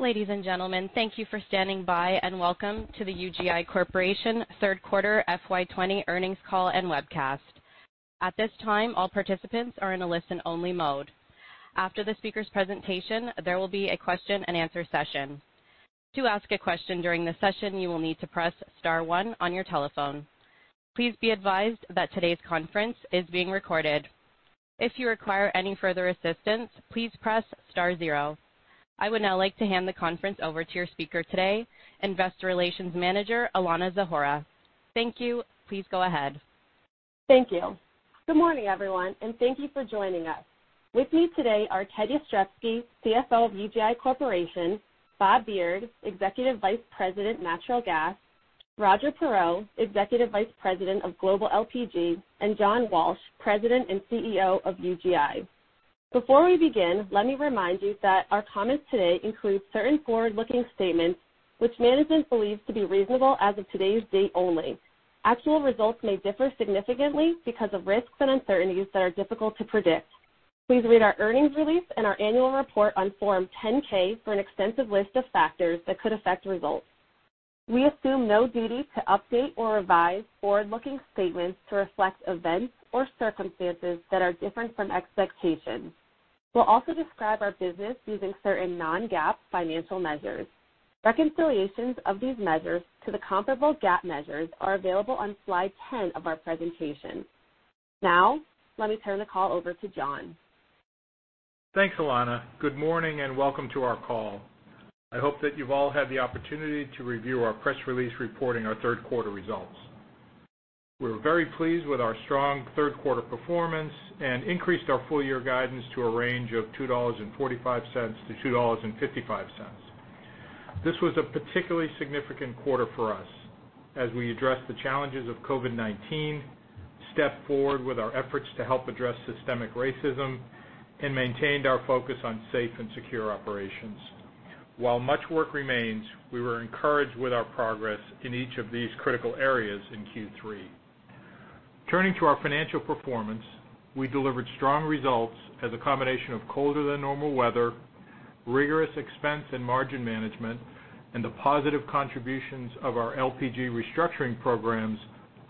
Ladies and gentlemen, thank you for standing by, and welcome to the UGI Corporation third quarter FY 2020 earnings call and webcast. At this time, all participants are in a listen-only mode. After the speaker's presentation, there will be a question and answer session. To ask a question during the session, you will need to press star one on your telephone. Please be advised that today's conference is being recorded. If you require any further assistance, please press star zero. I would now like to hand the conference over to your speaker today, Manager of Investor Relations, Alanna Zahora. Thank you. Please go ahead. Thank you. Good morning, everyone, and thank you for joining us. With me today are Ted Jastrzebski, Chief Financial Officer, UGI Corporation, Bob Beard, Executive Vice President, Natural Gas, Roger Perreault, Executive Vice President, Global LPG, and John Walsh, President and CEO, UGI Corporation. Before we begin, let me remind you that our comments today include certain forward-looking statements which management believes to be reasonable as of today's date only. Actual results may differ significantly because of risks and uncertainties that are difficult to predict. Please read our earnings release and our annual report on Form 10-K for an extensive list of factors that could affect results. We assume no duty to update or revise forward-looking statements to reflect events or circumstances that are different from expectations. We will also describe our business using certain non-GAAP financial measures. Reconciliations of these measures to the comparable GAAP measures are available on slide 10 of our presentation. Now, let me turn the call over to John. Thanks, Alanna. Good morning, welcome to our call. I hope that you've all had the opportunity to review our press release reporting our third quarter results. We're very pleased with our strong third quarter performance and increased our full-year guidance to a range of $2.45-$2.55. This was a particularly significant quarter for us as we address the challenges of COVID-19, step forward with our efforts to help address systemic racism, and maintained our focus on safe and secure operations. While much work remains, we were encouraged with our progress in each of these critical areas in Q3. Turning to our financial performance, we delivered strong results as a combination of colder than normal weather, rigorous expense and margin management, and the positive contributions of our LPG restructuring programs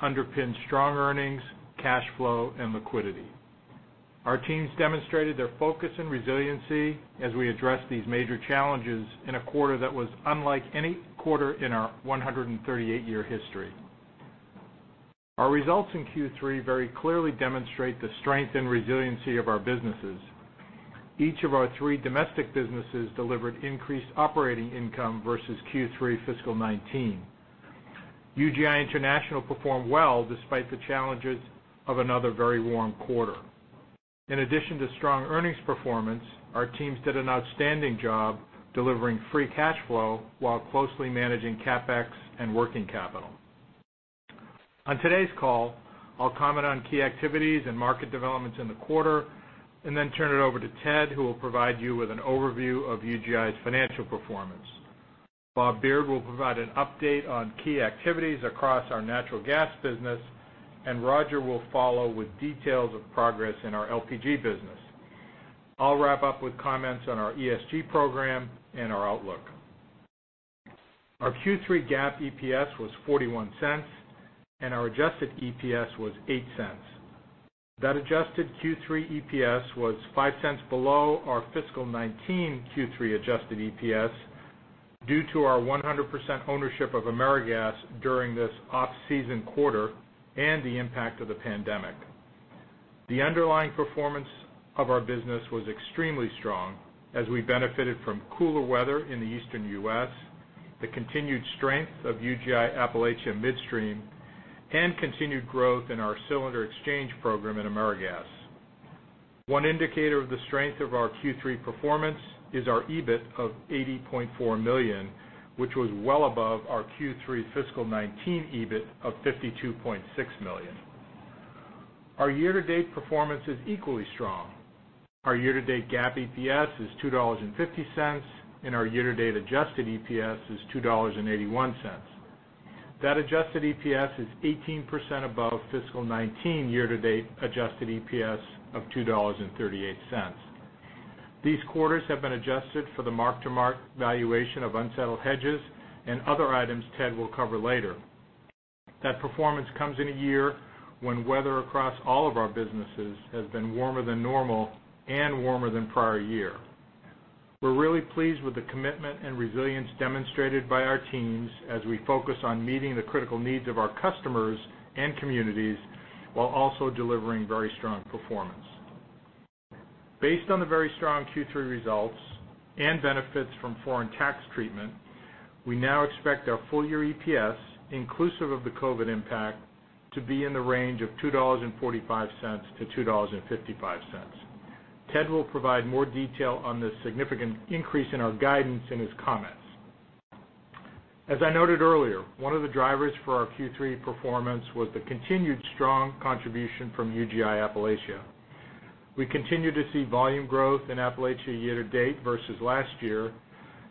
underpinned strong earnings, cash flow, and liquidity. Our teams demonstrated their focus and resiliency as we address these major challenges in a quarter that was unlike any quarter in our 138-year history. Our results in Q3 very clearly demonstrate the strength and resiliency of our businesses. Each of our three domestic businesses delivered increased operating income versus Q3 fiscal 2019. UGI International performed well despite the challenges of another very warm quarter. In addition to strong earnings performance, our teams did an outstanding job delivering free cash flow while closely managing CapEx and working capital. On today's call, I'll comment on key activities and market developments in the quarter, then turn it over to Ted, who will provide you with an overview of UGI's financial performance. Bob Beard will provide an update on key activities across our natural gas business, and Roger will follow with details of progress in our LPG business. I'll wrap up with comments on our ESG program and our outlook. Our Q3 GAAP EPS was $0.41, and our adjusted EPS was $0.08. That adjusted Q3 EPS was $0.05 below our fiscal 2019 Q3 adjusted EPS due to our 100% ownership of AmeriGas during this off-season quarter and the impact of the pandemic. The underlying performance of our business was extremely strong as we benefited from cooler weather in the Eastern U.S., the continued strength of UGI Appalachia Midstream, and continued growth in our cylinder exchange program at AmeriGas. One indicator of the strength of our Q3 performance is our EBIT of $80.4 million, which was well above our Q3 fiscal 2019 EBIT of $52.6 million. Our year-to-date performance is equally strong. Our year-to-date GAAP EPS is $2.50, and our year-to-date adjusted EPS is $2.81. That adjusted EPS is 18% above fiscal 2019 year-to-date adjusted EPS of $2.38. These quarters have been adjusted for the mark-to-market valuation of unsettled hedges and other items Ted will cover later. That performance comes in a year when weather across all of our businesses has been warmer than normal and warmer than prior year. We're really pleased with the commitment and resilience demonstrated by our teams as we focus on meeting the critical needs of our customers and communities while also delivering very strong performance. Based on the very strong Q3 results and benefits from foreign tax treatment, we now expect our full-year EPS, inclusive of the COVID impact, to be in the range of $2.45-$2.55. Ted will provide more detail on this significant increase in our guidance in his comments. As I noted earlier, one of the drivers for our Q3 performance was the continued strong contribution from UGI Appalachia. We continue to see volume growth in Appalachia year-to-date versus last year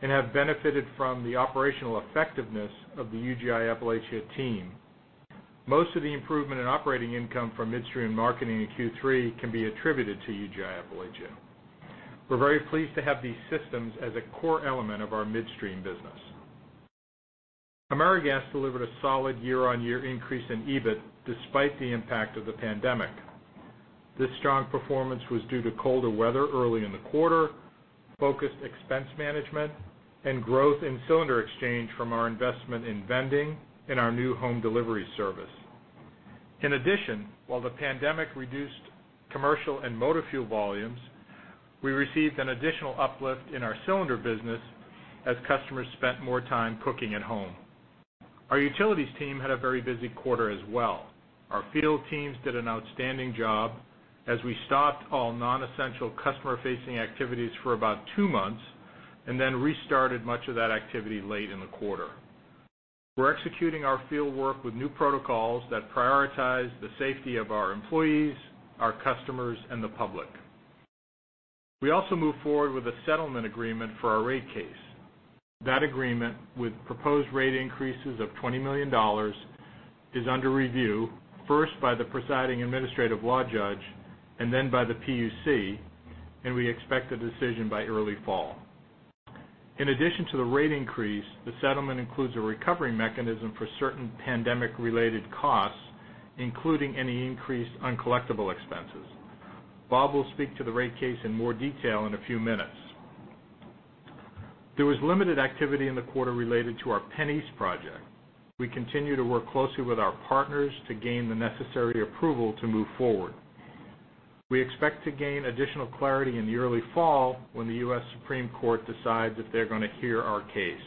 and have benefited from the operational effectiveness of the UGI Appalachia team. Most of the improvement in operating income from midstream marketing in Q3 can be attributed to UGI Appalachia. We're very pleased to have these systems as a core element of our midstream business. AmeriGas delivered a solid year-on-year increase in EBIT despite the impact of the pandemic. This strong performance was due to colder weather early in the quarter, focused expense management, and growth in cylinder exchange from our investment in vending and our new home delivery service. In addition, while the pandemic reduced commercial and motor fuel volumes, we received an additional uplift in our cylinder business as customers spent more time cooking at home. Our utilities team had a very busy quarter as well. Our field teams did an outstanding job as we stopped all non-essential customer-facing activities for about two months and then restarted much of that activity late in the quarter. We're executing our fieldwork with new protocols that prioritize the safety of our employees, our customers, and the public. We also moved forward with a settlement agreement for our rate case. That agreement with proposed rate increases of $20 million is under review, first by the presiding administrative law judge, and then by the PUC, and we expect a decision by early fall. In addition to the rate increase, the settlement includes a recovery mechanism for certain pandemic-related costs, including any increased uncollectible expenses. Bob will speak to the rate case in more detail in a few minutes. There was limited activity in the quarter related to our PennEast project. We continue to work closely with our partners to gain the necessary approval to move forward. We expect to gain additional clarity in the early fall when the U.S. Supreme Court decides if they're going to hear our case.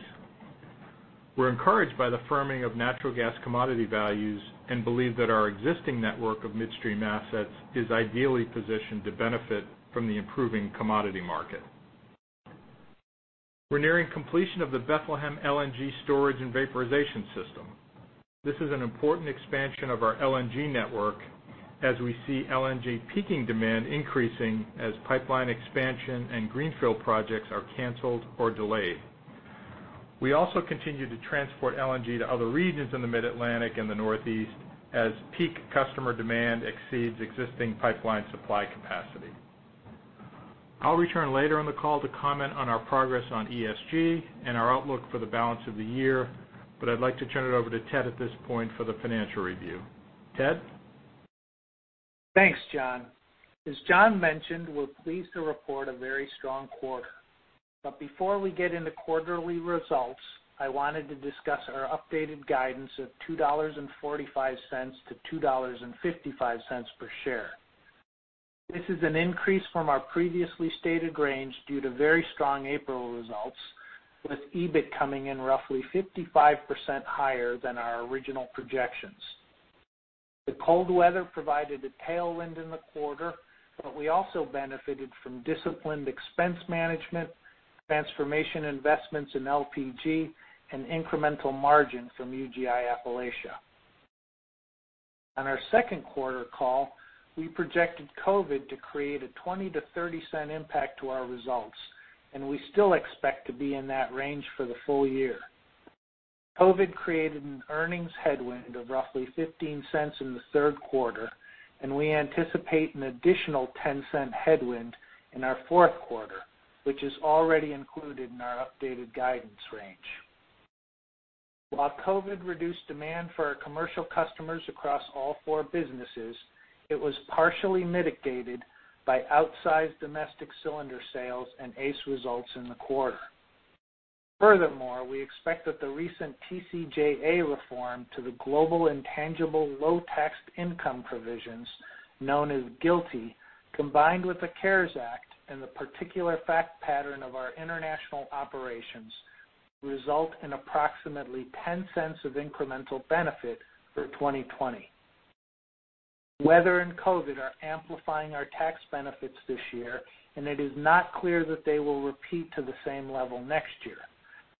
We're encouraged by the firming of natural gas commodity values and believe that our existing network of midstream assets is ideally positioned to benefit from the improving commodity market. We're nearing completion of the Bethlehem LNG storage and vaporization system. This is an important expansion of our LNG network as we see LNG peaking demand increasing as pipeline expansion and greenfield projects are canceled or delayed. We also continue to transport LNG to other regions in the Mid-Atlantic and the Northeast as peak customer demand exceeds existing pipeline supply capacity. I'll return later in the call to comment on our progress on ESG and our outlook for the balance of the year, but I'd like to turn it over to Ted at this point for the financial review. Ted? Thanks, John. As John mentioned, we're pleased to report a very strong quarter. Before we get into quarterly results, I wanted to discuss our updated guidance of $2.45-$2.55 per share. This is an increase from our previously stated range due to very strong April results, with EBIT coming in roughly 55% higher than our original projections. The cold weather provided a tailwind in the quarter, but we also benefited from disciplined expense management, transformation investments in LPG, and incremental margin from UGI Appalachia. On our second quarter call, we projected COVID to create a $0.20-$0.30 impact to our results, and we still expect to be in that range for the full year. COVID created an earnings headwind of roughly $0.15 in the third quarter, and we anticipate an additional $0.10 headwind in our fourth quarter, which is already included in our updated guidance range. While COVID reduced demand for our commercial customers across all four businesses, it was partially mitigated by outsized domestic cylinder sales and ACE results in the quarter. Furthermore, we expect that the recent TCJA reform to the Global Intangible Low-Tax Income provisions known as GILTI, combined with the CARES Act and the particular fact pattern of our international operations, will result in approximately $0.10 of incremental benefit for 2020. Weather and COVID are amplifying our tax benefits this year, and it is not clear that they will repeat to the same level next year.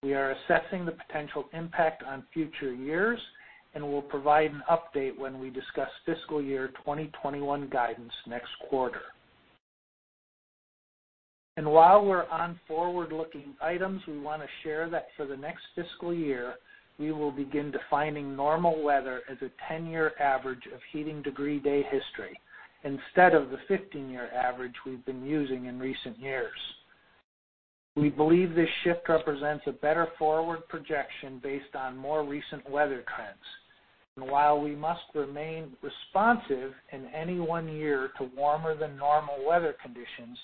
We are assessing the potential impact on future years, and we'll provide an update when we discuss fiscal year 2021 guidance next quarter. While we're on forward-looking items, we want to share that for the next fiscal year, we will begin defining normal weather as a 10-year average of heating degree day history instead of the 15-year average we've been using in recent years. We believe this shift represents a better forward projection based on more recent weather trends. While we must remain responsive in any one year to warmer-than-normal weather conditions,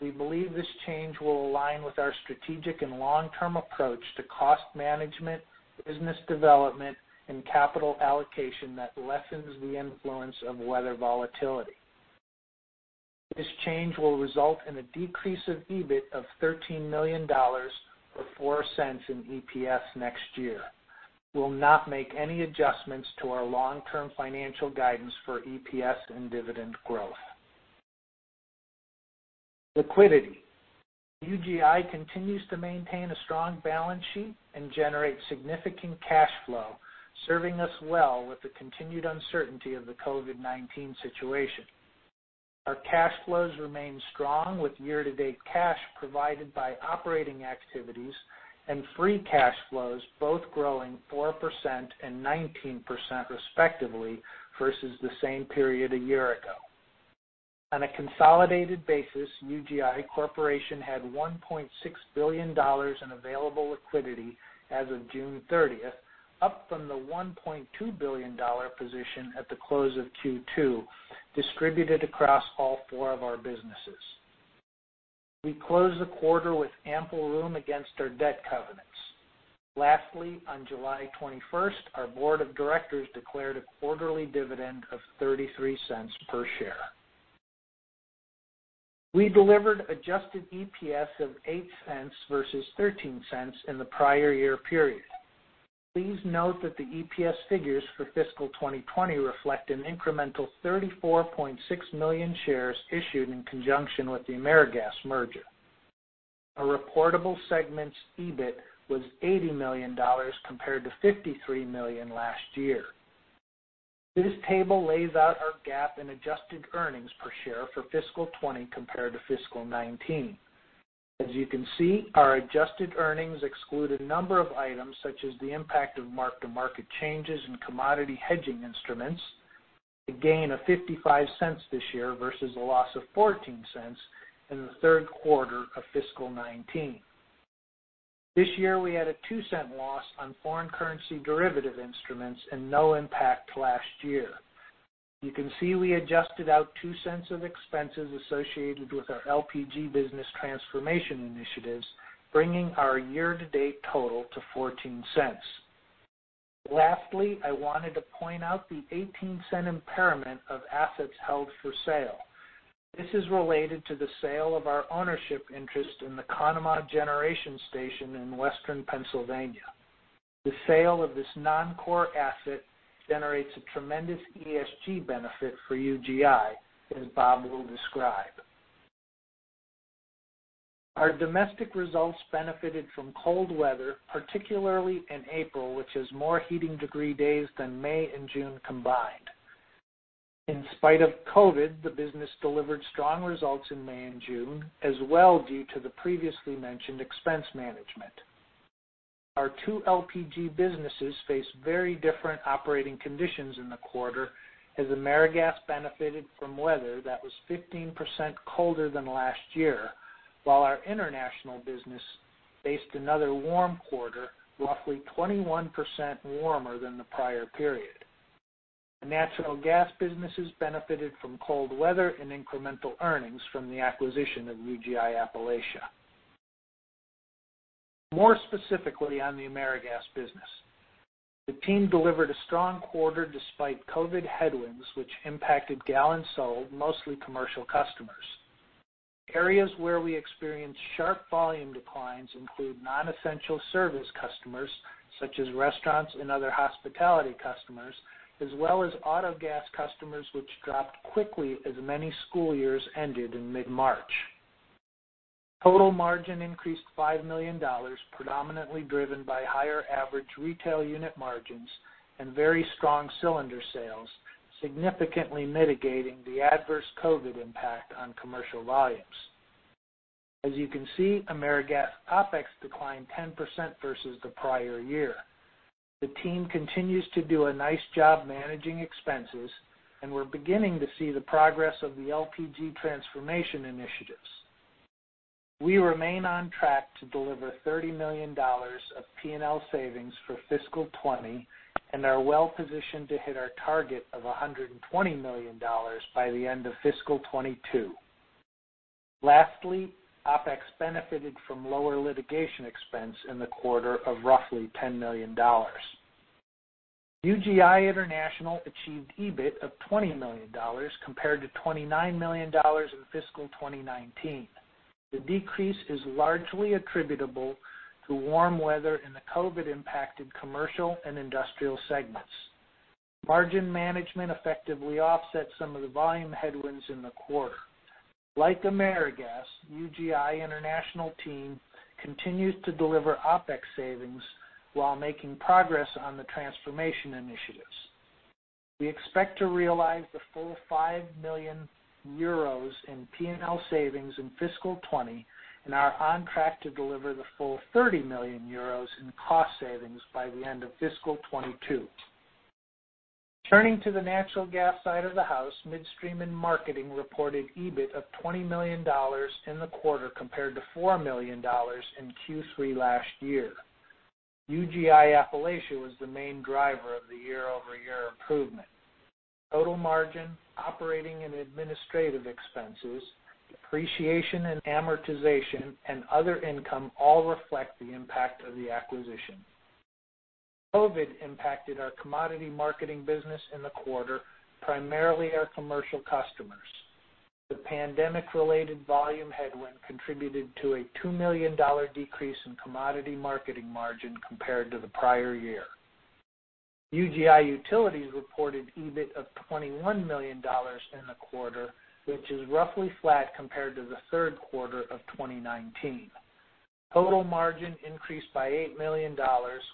we believe this change will align with our strategic and long-term approach to cost management, business development, and capital allocation that lessens the influence of weather volatility. This change will result in a decrease of EBIT of $13 million, or $0.04 in EPS next year. We'll not make any adjustments to our long-term financial guidance for EPS and dividend growth. Liquidity. UGI continues to maintain a strong balance sheet and generate significant cash flow, serving us well with the continued uncertainty of the COVID-19 situation. Our cash flows remain strong with year-to-date cash provided by operating activities and free cash flows both growing 4% and 19% respectively versus the same period a year ago. On a consolidated basis, UGI Corporation had $1.6 billion in available liquidity as of June 30th, up from the $1.2 billion position at the close of Q2, distributed across all four of our businesses. We closed the quarter with ample room against our debt covenants. Lastly, on July 21st, our board of directors declared a quarterly dividend of $0.33 per share. We delivered adjusted EPS of $0.08 versus $0.13 in the prior year period. Please note that the EPS figures for fiscal 2020 reflect an incremental 34.6 million shares issued in conjunction with the AmeriGas merger. Our reportable segment's EBIT was $80 million compared to $53 million last year. This table lays out our GAAP in adjusted earnings per share for fiscal 2020 compared to fiscal 2019. As you can see, our adjusted earnings exclude a number of items such as the impact of mark-to-market changes in commodity hedging instruments, a gain of $0.55 this year versus a loss of $0.14 in the third quarter of fiscal 2019. This year, we had a $0.02 loss on foreign currency derivative instruments and no impact last year. You can see we adjusted out $0.02 of expenses associated with our LPG business transformation initiatives, bringing our year-to-date total to $0.14. I wanted to point out the $0.18 impairment of assets held for sale. This is related to the sale of our ownership interest in the Conemaugh Generating Station in Western Pennsylvania. The sale of this non-core asset generates a tremendous ESG benefit for UGI, as Bob will describe. Our domestic results benefited from cold weather, particularly in April, which has more heating degree days than May and June combined. In spite of COVID, the business delivered strong results in May and June as well due to the previously mentioned expense management. Our two LPG businesses face very different operating conditions in the quarter, as AmeriGas benefited from weather that was 15% colder than last year, while our international business faced another warm quarter, roughly 21% warmer than the prior period. Natural gas businesses benefited from cold weather and incremental earnings from the acquisition of UGI Appalachia. More specifically on the AmeriGas business. The team delivered a strong quarter despite COVID headwinds, which impacted gallons sold, mostly commercial customers. Areas where we experienced sharp volume declines include non-essential service customers, such as restaurants and other hospitality customers, as well as autogas customers, which dropped quickly as many school years ended in mid-March. Total margin increased $5 million, predominantly driven by higher average retail unit margins and very strong cylinder sales, significantly mitigating the adverse COVID impact on commercial volumes. As you can see, AmeriGas OpEx declined 10% versus the prior year. The team continues to do a nice job managing expenses, and we're beginning to see the progress of the LPG transformation initiatives. We remain on track to deliver $30 million of P&L savings for fiscal 2020 and are well positioned to hit our target of $120 million by the end of fiscal 2022. Lastly, OpEx benefited from lower litigation expense in the quarter of roughly $10 million. UGI International achieved EBIT of $20 million compared to $29 million in fiscal 2019. The decrease is largely attributable to warm weather in the COVID-19-impacted commercial and industrial segments. Margin management effectively offset some of the volume headwinds in the quarter. Like AmeriGas, UGI International team continues to deliver OpEx savings while making progress on the transformation initiatives. We expect to realize the full €5 million in P&L savings in fiscal 2020 and are on track to deliver the full €30 million in cost savings by the end of fiscal 2022. Turning to the natural gas side of the house, Midstream & Marketing reported EBIT of $20 million in the quarter compared to $4 million in Q3 last year. UGI Appalachia was the main driver of the year-over-year improvement. Total margin, operating and administrative expenses, depreciation and amortization, and other income all reflect the impact of the acquisition. COVID impacted our commodity marketing business in the quarter, primarily our commercial customers. The pandemic-related volume headwind contributed to a $2 million decrease in commodity marketing margin compared to the prior year. UGI Utilities reported EBIT of $21 million in the quarter, which is roughly flat compared to the third quarter of 2019. Total margin increased by $8 million,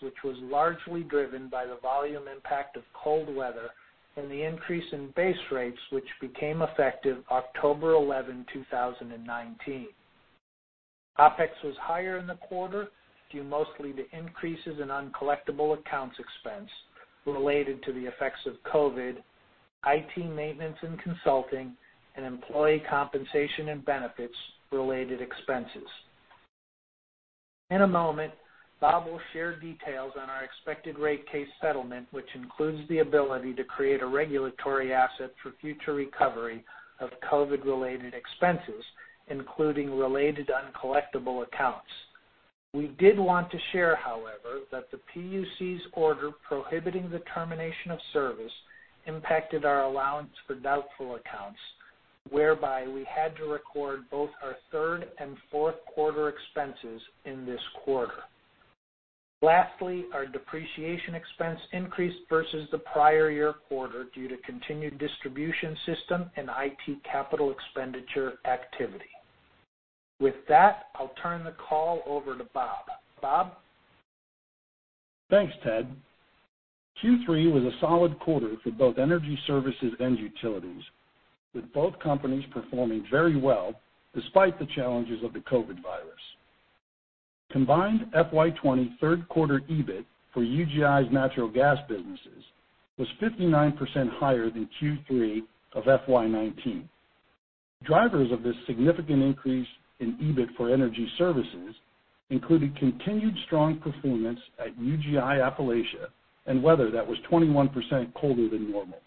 which was largely driven by the volume impact of cold weather and the increase in base rates, which became effective October 11, 2019. OpEx was higher in the quarter, due mostly to increases in uncollectible accounts expense related to the effects of COVID, IT maintenance and consulting, and employee compensation and benefits-related expenses. In a moment, Bob will share details on our expected rate case settlement, which includes the ability to create a regulatory asset for future recovery of COVID-related expenses, including related uncollectible accounts. We did want to share, however, that the PUC's order prohibiting the termination of service impacted our allowance for doubtful accounts, whereby we had to record both our third and fourth quarter expenses in this quarter. Lastly, our depreciation expense increased versus the prior year quarter due to continued distribution system and IT capital expenditure activity. With that, I'll turn the call over to Bob. Bob? Thanks, Ted. Q3 was a solid quarter for both Energy Services and Utilities, with both companies performing very well despite the challenges of the COVID virus. Combined FY 2020 third quarter EBIT for UGI's natural gas businesses was 59% higher than Q3 of FY 2019. Drivers of this significant increase in EBIT for Energy Services included continued strong performance at UGI Appalachia and weather that was 21% colder than normal.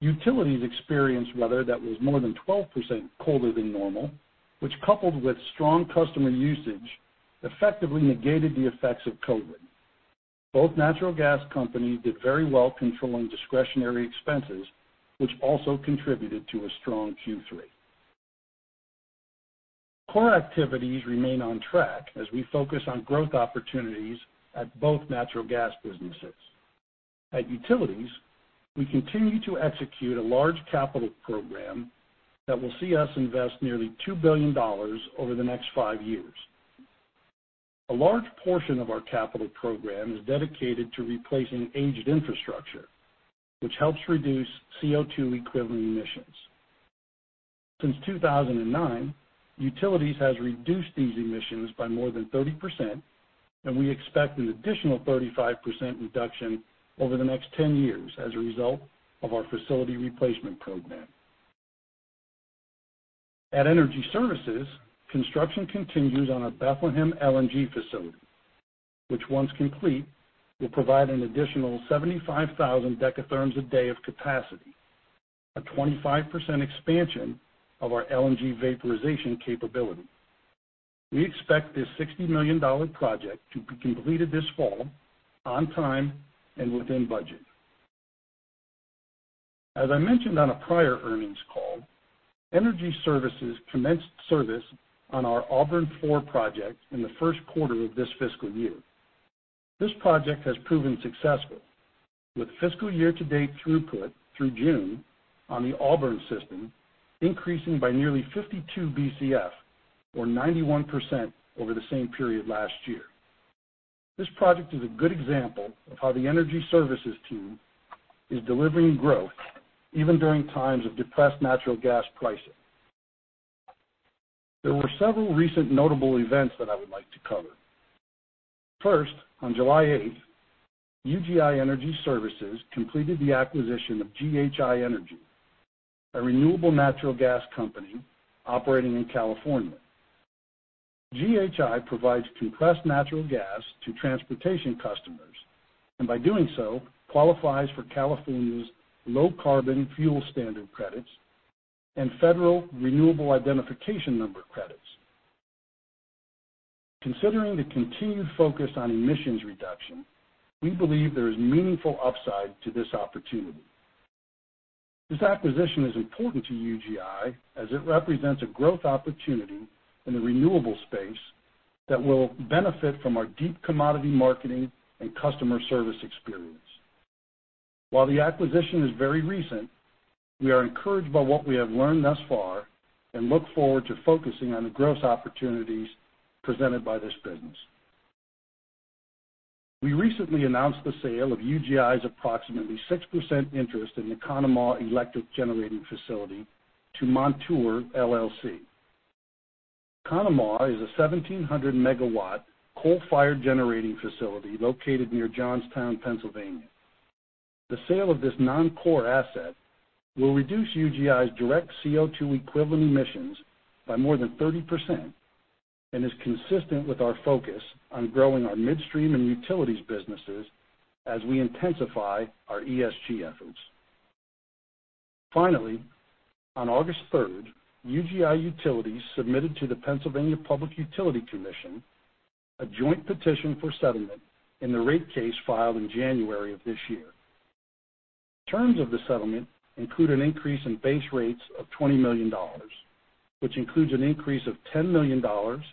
Utilities experienced weather that was more than 12% colder than normal, which, coupled with strong customer usage, effectively negated the effects of COVID. Both natural gas companies did very well controlling discretionary expenses, which also contributed to a strong Q3. Core activities remain on track as we focus on growth opportunities at both natural gas businesses. At Utilities, we continue to execute a large capital program that will see us invest nearly $2 billion over the next five years. A large portion of our capital program is dedicated to replacing aged infrastructure, which helps reduce CO2-equivalent emissions. Since 2009, Utilities has reduced these emissions by more than 30%, and we expect an additional 35% reduction over the next 10 years as a result of our facility replacement program. At Energy Services, construction continues on our Bethlehem LNG facility, which once complete, will provide an additional 75,000 dekatherms a day of capacity, a 25% expansion of our LNG vaporization capability. We expect this $60 million project to be completed this fall on time and within budget. As I mentioned on a prior earnings call, Energy Services commenced service on our Auburn 4 project in the first quarter of this fiscal year. This project has proven successful, with fiscal year-to-date throughput through June on the Auburn system increasing by nearly 52 Bcf or 91% over the same period last year. This project is a good example of how the Energy Services team is delivering growth even during times of depressed natural gas pricing. There were several recent notable events that I would like to cover. First, on July 8th, UGI Energy Services completed the acquisition of GHI Energy, a renewable natural gas company operating in California. GHI provides compressed natural gas to transportation customers, and by doing so, qualifies for California's Low Carbon Fuel Standard credits and federal Renewable Identification Number credits. Considering the continued focus on emissions reduction, we believe there is meaningful upside to this opportunity. This acquisition is important to UGI as it represents a growth opportunity in the renewable space that will benefit from our deep commodity marketing and customer service experience. While the acquisition is very recent, we are encouraged by what we have learned thus far and look forward to focusing on the growth opportunities presented by this business. We recently announced the sale of UGI's approximately 6% interest in the Conemaugh Electric Generating Facility to Montour, LLC. Conemaugh is a 1,700-megawatt coal-fired generating facility located near Johnstown, Pennsylvania. The sale of this non-core asset will reduce UGI's direct CO2-equivalent emissions by more than 30% and is consistent with our focus on growing our midstream and utilities businesses as we intensify our ESG efforts. Finally, on August 3rd, UGI Utilities submitted to the Pennsylvania Public Utility Commission a joint petition for settlement in the rate case filed in January of this year. Terms of the settlement include an increase in base rates of $20 million, which includes an increase of $10 million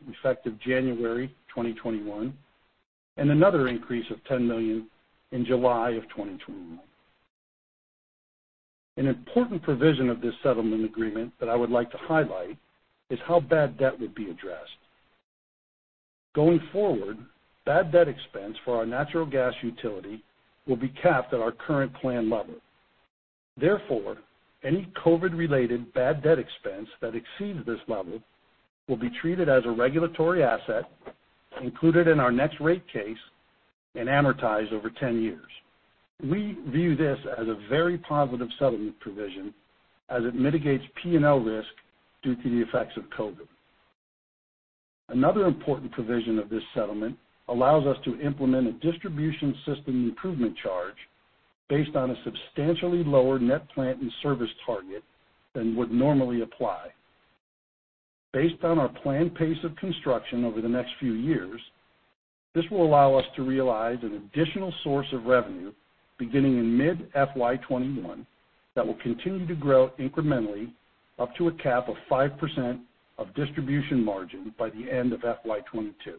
effective January 2021 and another increase of $10 million in July of 2021. An important provision of this settlement agreement that I would like to highlight is how bad debt would be addressed. Going forward, bad debt expense for our natural gas utility will be capped at our current plan level. Therefore, any COVID-related bad debt expense that exceeds this level will be treated as a regulatory asset, included in our next rate case, and amortized over 10 years. We view this as a very positive settlement provision, as it mitigates P&L risk due to the effects of COVID. Another important provision of this settlement allows us to implement a distribution system improvement charge based on a substantially lower net plant and service target than would normally apply. Based on our planned pace of construction over the next few years, this will allow us to realize an additional source of revenue beginning in mid-FY 2021 that will continue to grow incrementally up to a cap of 5% of distribution margin by the end of FY 2022.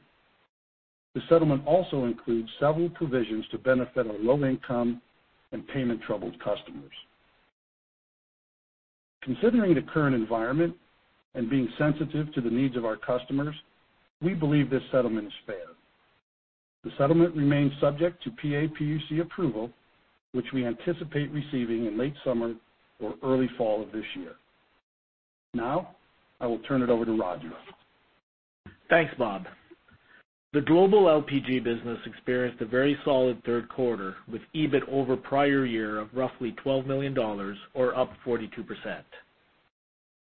The settlement also includes several provisions to benefit our low-income and payment-troubled customers. Considering the current environment and being sensitive to the needs of our customers, we believe this settlement is fair. The settlement remains subject to PA PUC approval, which we anticipate receiving in late summer or early fall of this year. I will turn it over to Roger. Thanks, Bob. The Global LPG business experienced a very solid third quarter, with EBIT over prior year of roughly $12 million or up 42%.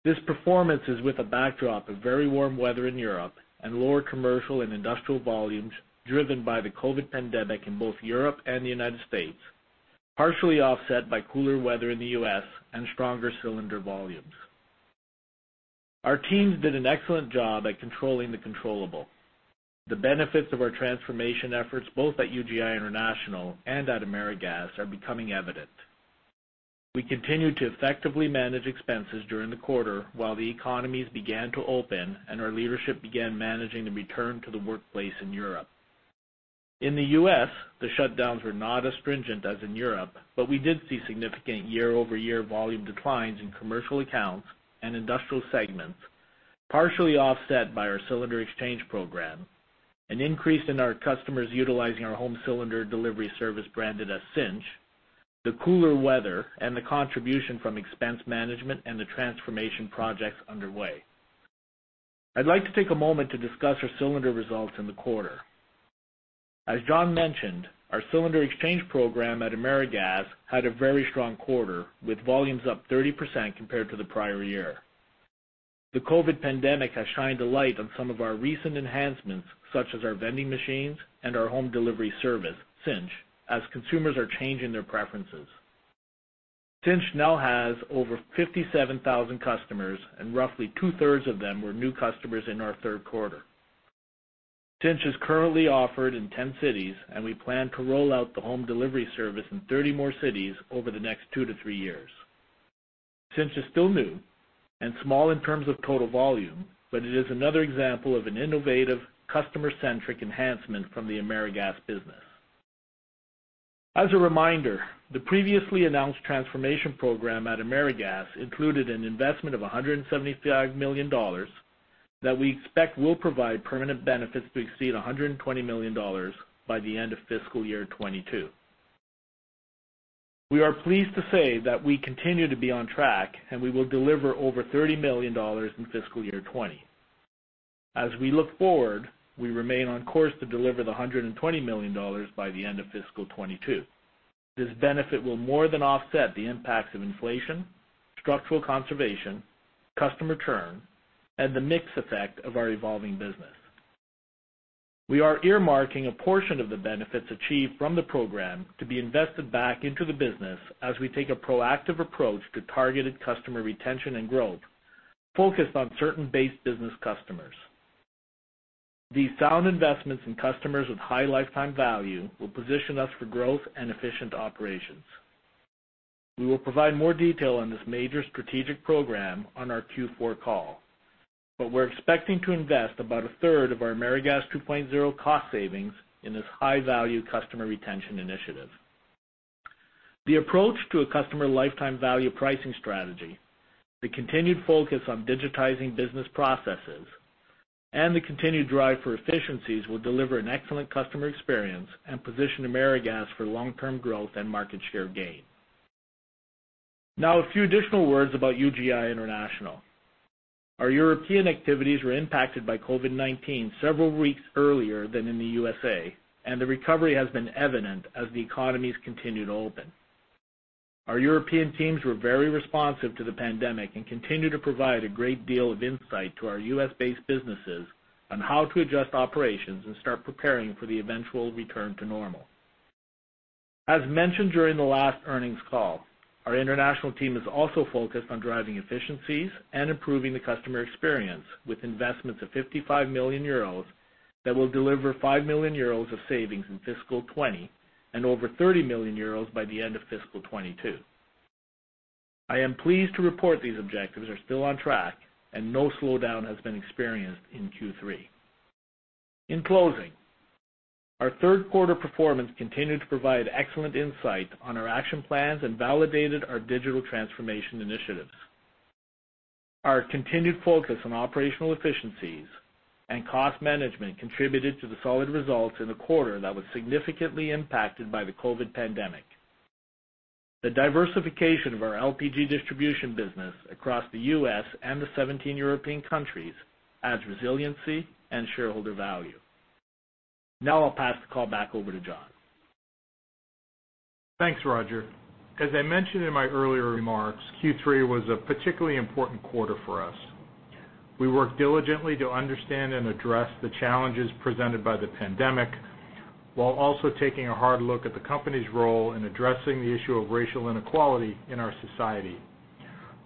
This performance is with a backdrop of very warm weather in Europe and lower commercial and industrial volumes driven by the COVID-19 pandemic in both Europe and the U.S., partially offset by cooler weather in the U.S. and stronger cylinder volumes. Our teams did an excellent job at controlling the controllable. The benefits of our transformation efforts both at UGI International and at AmeriGas are becoming evident. We continued to effectively manage expenses during the quarter while the economies began to open, and our leadership began managing the return to the workplace in Europe. In the U.S., the shutdowns were not as stringent as in Europe, but we did see significant year-over-year volume declines in commercial accounts and industrial segments, partially offset by our cylinder exchange program, an increase in our customers utilizing our home cylinder delivery service branded as Cynch, the cooler weather, and the contribution from expense management and the transformation projects underway. I'd like to take a moment to discuss our cylinder results in the quarter. As John mentioned, our cylinder exchange program at AmeriGas had a very strong quarter, with volumes up 30% compared to the prior year. The COVID-19 pandemic has shined a light on some of our recent enhancements, such as our vending machines and our home delivery service, Cynch, as consumers are changing their preferences. Cynch now has over 57,000 customers, and roughly two-thirds of them were new customers in our third quarter. Cynch is currently offered in 10 cities, we plan to roll out the home delivery service in 30 more cities over the next two to three years. Cynch is still new and small in terms of total volume, it is another example of an innovative customer-centric enhancement from the AmeriGas business. As a reminder, the previously announced transformation program at AmeriGas included an investment of $175 million that we expect will provide permanent benefits to exceed $120 million by the end of fiscal year 2022. We are pleased to say that we continue to be on track, we will deliver over $30 million in fiscal year 2020. As we look forward, we remain on course to deliver the $120 million by the end of fiscal 2022. This benefit will more than offset the impacts of inflation, structural conservation, customer churn, and the mix effect of our evolving business. We are earmarking a portion of the benefits achieved from the program to be invested back into the business as we take a proactive approach to targeted customer retention and growth, focused on certain base business customers. These sound investments in customers with high lifetime value will position us for growth and efficient operations. We will provide more detail on this major strategic program on our Q4 call, but we're expecting to invest about a third of our AmeriGas 2.0 cost savings in this high-value customer retention initiative. The approach to a customer lifetime value pricing strategy, the continued focus on digitizing business processes, and the continued drive for efficiencies will deliver an excellent customer experience and position AmeriGas for long-term growth and market share gain. A few additional words about UGI International. Our European activities were impacted by COVID-19 several weeks earlier than in the U.S., and the recovery has been evident as the economies continue to open. Our European teams were very responsive to the pandemic and continue to provide a great deal of insight to our U.S.-based businesses on how to adjust operations and start preparing for the eventual return to normal. Mentioned during the last earnings call, our international team is also focused on driving efficiencies and improving the customer experience with investments of 55 million euros that will deliver 5 million euros of savings in fiscal 2020 and over 30 million euros by the end of fiscal 2022. I am pleased to report these objectives are still on track, and no slowdown has been experienced in Q3. In closing, our third quarter performance continued to provide excellent insight on our action plans and validated our digital transformation initiatives. Our continued focus on operational efficiencies and cost management contributed to the solid results in a quarter that was significantly impacted by the COVID-19 pandemic. The diversification of our LPG distribution business across the U.S. and the 17 European countries adds resiliency and shareholder value. I'll pass the call back over to John. Thanks, Roger. As I mentioned in my earlier remarks, Q3 was a particularly important quarter for us. We worked diligently to understand and address the challenges presented by the pandemic, while also taking a hard look at the company's role in addressing the issue of racial inequality in our society.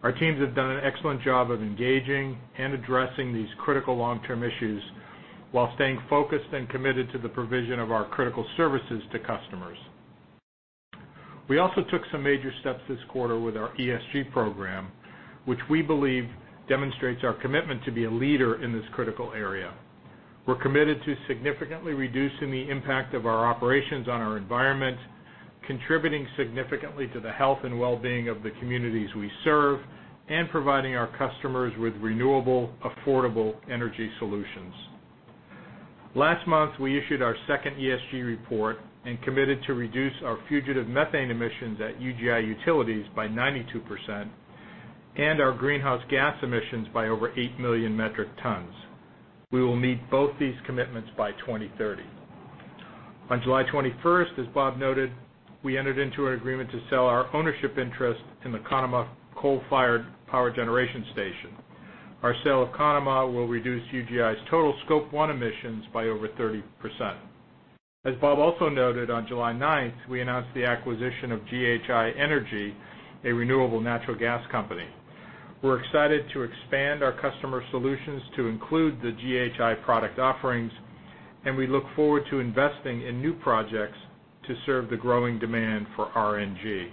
Our teams have done an excellent job of engaging and addressing these critical long-term issues while staying focused and committed to the provision of our critical services to customers. We also took some major steps this quarter with our ESG program, which we believe demonstrates our commitment to be a leader in this critical area. We're committed to significantly reducing the impact of our operations on our environment, contributing significantly to the health and wellbeing of the communities we serve, and providing our customers with renewable, affordable energy solutions. Last month, we issued our second ESG report and committed to reduce our fugitive methane emissions at UGI Utilities by 92%, and our greenhouse gas emissions by over 8 million metric tons. We will meet both these commitments by 2030. On July 21st, as Bob noted, we entered into an agreement to sell our ownership interest in the Conemaugh coal-fired power generation station. Our sale of Conemaugh will reduce UGI's total scope 1 emissions by over 30%. As Bob also noted, on July 9th, we announced the acquisition of GHI Energy, a renewable natural gas company. We're excited to expand our customer solutions to include the GHI product offerings, we look forward to investing in new projects to serve the growing demand for RNG.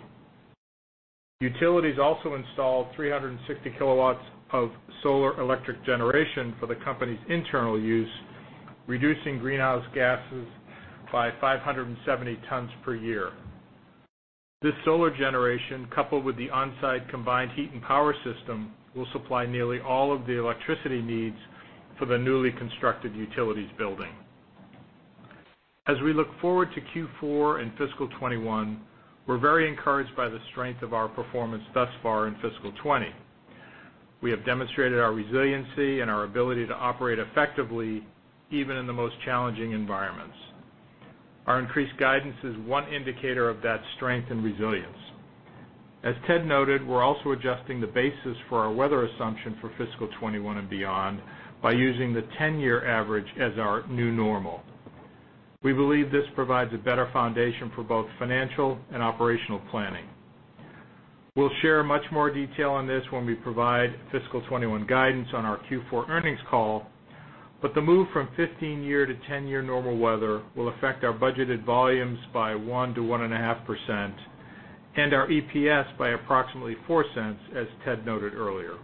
Utilities also installed 360 kilowatts of solar electric generation for the company's internal use, reducing greenhouse gases by 570 tons per year. This solar generation, coupled with the on-site combined heat and power system, will supply nearly all of the electricity needs for the newly constructed utilities building. As we look forward to Q4 and fiscal 2021, we're very encouraged by the strength of our performance thus far in fiscal 2020. We have demonstrated our resiliency and our ability to operate effectively, even in the most challenging environments. Our increased guidance is one indicator of that strength and resilience. As Ted noted, we're also adjusting the basis for our weather assumption for fiscal 2021 and beyond by using the 10-year average as our new normal. We believe this provides a better foundation for both financial and operational planning. We'll share much more detail on this when we provide fiscal 2021 guidance on our Q4 earnings call, but the move from 15-year to 10-year normal weather will affect our budgeted volumes by 1%-1.5%, and our EPS by approximately $0.04, as Ted noted earlier.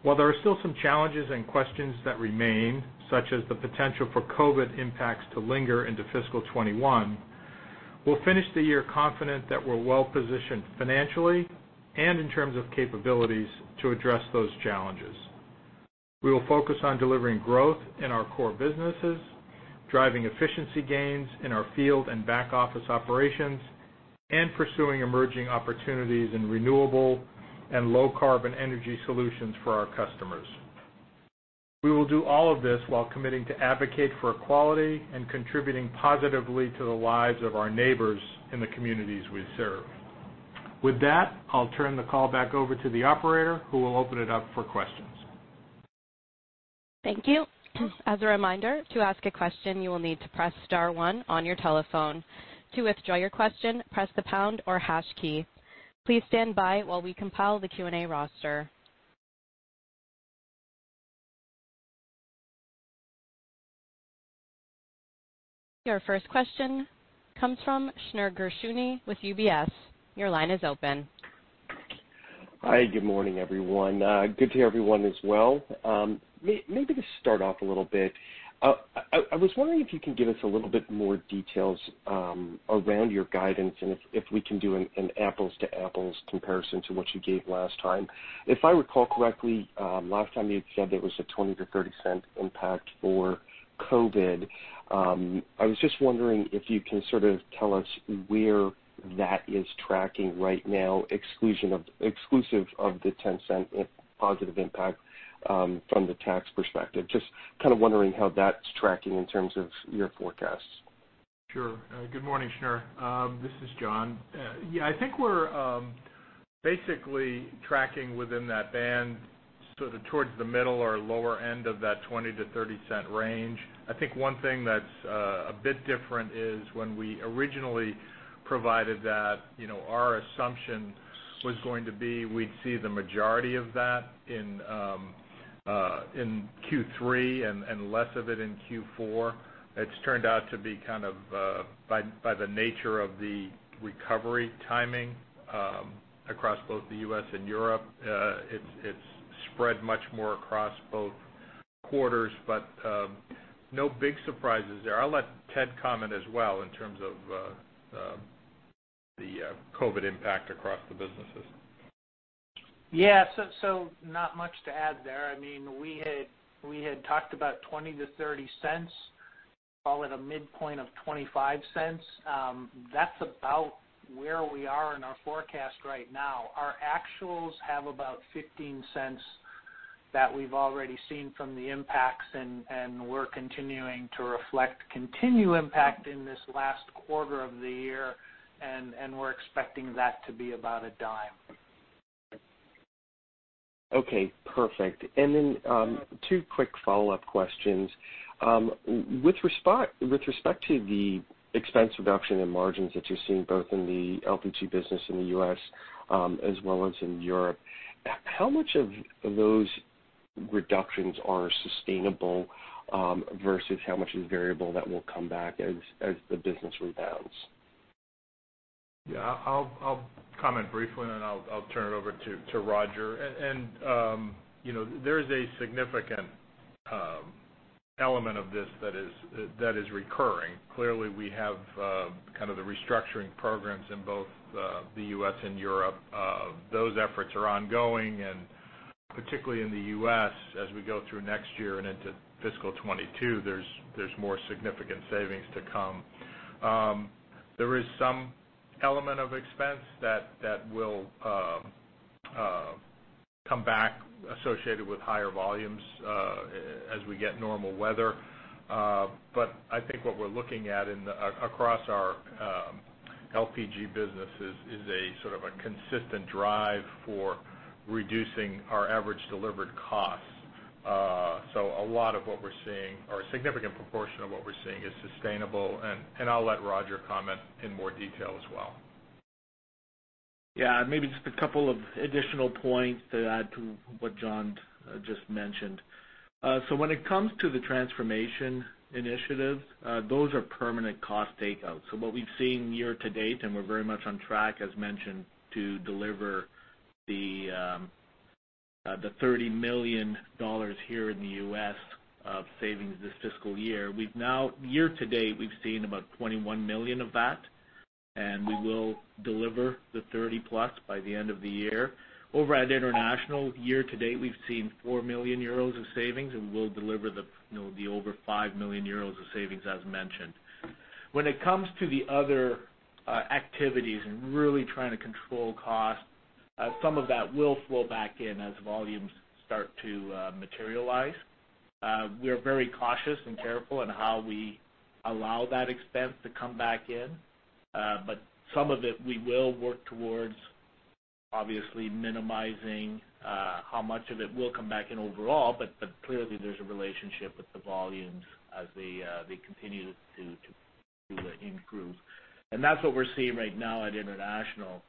While there are still some challenges and questions that remain, such as the potential for COVID-19 impacts to linger into fiscal 2021, we'll finish the year confident that we're well-positioned financially and in terms of capabilities to address those challenges. We will focus on delivering growth in our core businesses, driving efficiency gains in our field and back-office operations, and pursuing emerging opportunities in renewable and low-carbon energy solutions for our customers. We will do all of this while committing to advocate for equality and contributing positively to the lives of our neighbors in the communities we serve. With that, I'll turn the call back over to the operator, who will open it up for questions. Thank you. As a reminder, to ask a question, you will need to press star one on your telephone. To withdraw your question, press the pound or hash key. Please stand by while we compile the Q&A roster. Your first question comes from Shneur Gershuni with UBS. Your line is open. Hi, good morning, everyone. Good to everyone as well. Maybe to start off a little bit, I was wondering if you could give us a little bit more details around your guidance and if we can do an apples-to-apples comparison to what you gave last time. If I recall correctly, last time you had said there was a $0.20 to $0.30 impact for COVID. I was just wondering if you can sort of tell us where that is tracking right now, exclusive of the $0.10 positive impact from the tax perspective. Just kind of wondering how that's tracking in terms of your forecasts. Sure. Good morning, Shneur. This is John. Yeah. I think we're basically tracking within that band, sort of towards the middle or lower end of that $0.20-$0.30 range. I think one thing that's a bit different is when we originally provided that, our assumption was going to be we'd see the majority of that in Q3 and less of it in Q4. It's turned out to be kind of, by the nature of the recovery timing across both the U.S. and Europe, it's spread much more across both quarters, but no big surprises there. I'll let Ted comment as well in terms of the COVID-19 impact across the businesses. Yeah. Not much to add there. We had talked about $0.20-$0.30, call it a midpoint of $0.25. That's about where we are in our forecast right now. Our actuals have about $0.15 that we've already seen from the impacts, and we're continuing to reflect continued impact in this last quarter of the year, and we're expecting that to be about $0.10. Okay, perfect. Two quick follow-up questions. With respect to the expense reduction and margins that you're seeing both in the LPG business in the U.S. as well as in Europe, how much of those reductions are sustainable versus how much is variable that will come back as the business rebounds? I'll comment briefly, and then I'll turn it over to Roger. There's a significant element of this that is recurring. Clearly, we have the restructuring programs in both the U.S. and Europe. Those efforts are ongoing, and particularly in the U.S., as we go through next year and into fiscal 2022, there's more significant savings to come. There is some element of expense that will come back associated with higher volumes as we get normal weather. I think what we're looking at across our LPG business is a sort of a consistent drive for reducing our average delivered costs. A lot of what we're seeing, or a significant proportion of what we're seeing is sustainable, and I'll let Roger comment in more detail as well. Yeah. Maybe just a couple of additional points to add to what John just mentioned. When it comes to the transformation initiatives, those are permanent cost takeouts. What we've seen year to date, and we're very much on track, as mentioned, to deliver the $30 million here in the U.S. of savings this fiscal year. Year to date, we've seen about $21 million of that, and we will deliver the $30-plus by the end of the year. Over at UGI International, year to date, we've seen 4 million euros of savings, and we'll deliver the over 5 million euros of savings, as mentioned. When it comes to the other activities and really trying to control costs, some of that will flow back in as volumes start to materialize. We are very cautious and careful in how we allow that expense to come back in. Some of it we will work towards, obviously minimizing how much of it will come back in overall, but clearly there's a relationship with the volumes as they continue to improve. That's what we're seeing right now at UGI International.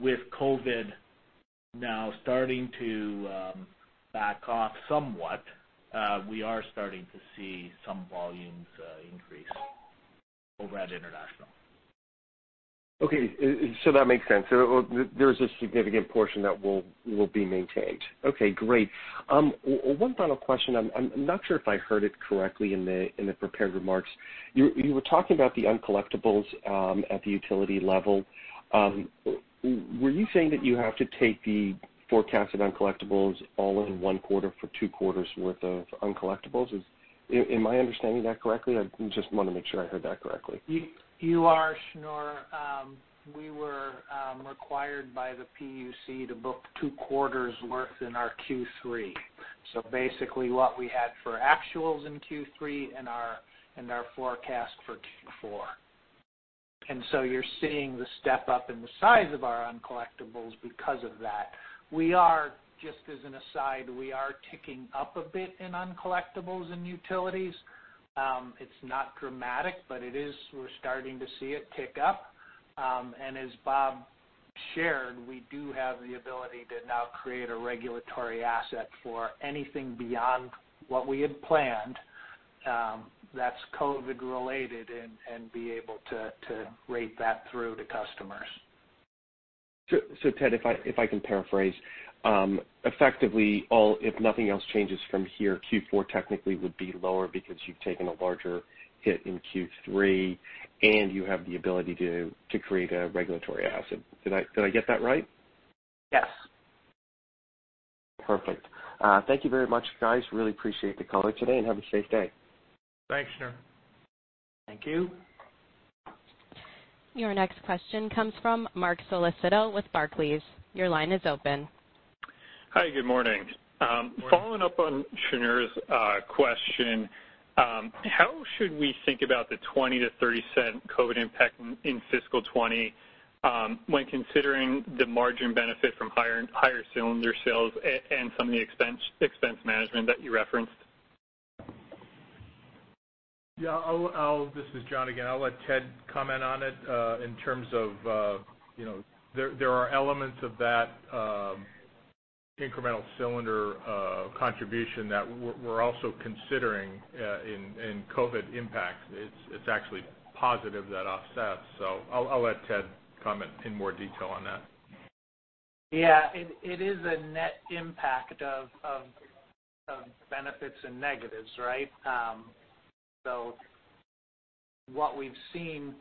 With COVID-19 now starting to back off somewhat, we are starting to see some volumes increase over at UGI International. That makes sense. There's a significant portion that will be maintained. Great. One final question. I'm not sure if I heard it correctly in the prepared remarks. You were talking about the uncollectibles at the utility level. Were you saying that you have to take the forecasted uncollectibles all in one quarter for two quarters worth of uncollectibles? Am I understanding that correctly? I just want to make sure I heard that correctly. You are, Shneur. We were required by the PA PUC to book two quarters worth in our Q3. Basically what we had for actuals in Q3 and our forecast for Q4. You're seeing the step-up in the size of our uncollectibles because of that. Just as an aside, we are ticking up a bit in uncollectibles in utilities. It's not dramatic, but we're starting to see it tick up. As Bob shared, we do have the ability to now create a regulatory asset for anything beyond what we had planned that's COVID related and be able to rate that through to customers. Ted, if I can paraphrase. Effectively, if nothing else changes from here, Q4 technically would be lower because you've taken a larger hit in Q3, and you have the ability to create a regulatory asset. Did I get that right? Yes. Perfect. Thank you very much, guys. Really appreciate the call today. Have a safe day. Thanks, Shneur. Thank you. Your next question comes from Marc Sollicito with Barclays. Your line is open. Hi, good morning. Good morning. Following up on Shneur's question, how should we think about the $0.20-$0.30 COVID impact in fiscal 2020 when considering the margin benefit from higher cylinder sales and some of the expense management that you referenced? Yeah. This is John again. I'll let Ted comment on it. There are elements of that incremental cylinder contribution that we're also considering in COVID impacts. It's actually positive that offsets. I'll let Ted comment in more detail on that. Yeah. It is a net impact of benefits and negatives, right? What we've seen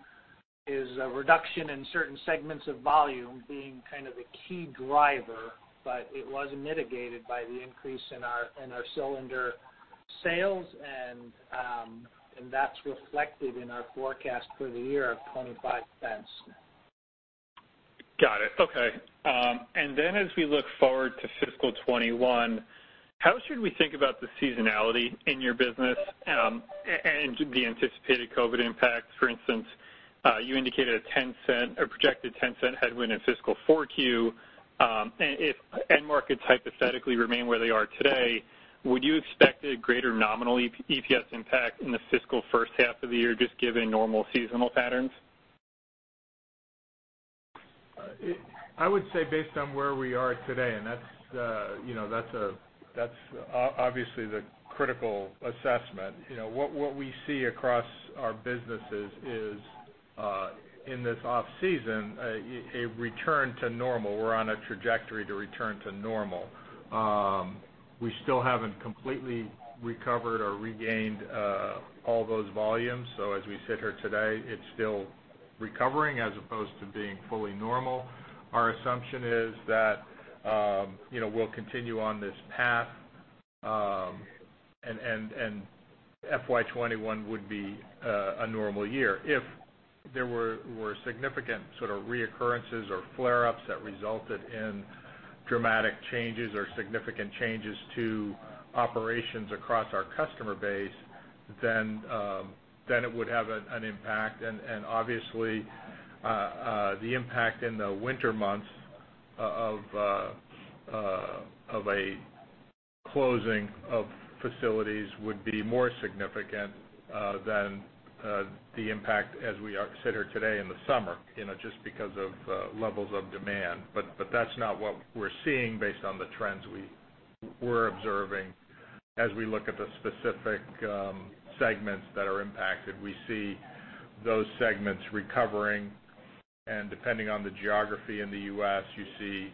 is a reduction in certain segments of volume being kind of a key driver, but it was mitigated by the increase in our cylinder sales, and that's reflected in our forecast for the year of $0.25. Got it. Okay. As we look forward to fiscal 2021, how should we think about the seasonality in your business, and the anticipated COVID-19 impacts? For instance, you indicated a projected $0.10 headwind in fiscal 4Q. If end markets hypothetically remain where they are today, would you expect a greater nominal EPS impact in the fiscal first half of the year, just given normal seasonal patterns? I would say based on where we are today, and that's obviously the critical assessment. What we see across our businesses is, in this off-season, a return to normal. We're on a trajectory to return to normal. We still haven't completely recovered or regained all those volumes. As we sit here today, it's still recovering as opposed to being fully normal. Our assumption is that we'll continue on this path, and FY 2021 would be a normal year. If there were significant sort of reoccurrences or flare-ups that resulted in dramatic changes or significant changes to operations across our customer base, then it would have an impact. Obviously, the impact in the winter months of a closing of facilities would be more significant than the impact as we sit here today in the summer, just because of levels of demand. That's not what we're seeing based on the trends we're observing as we look at the specific segments that are impacted. We see those segments recovering, and depending on the geography in the U.S., you see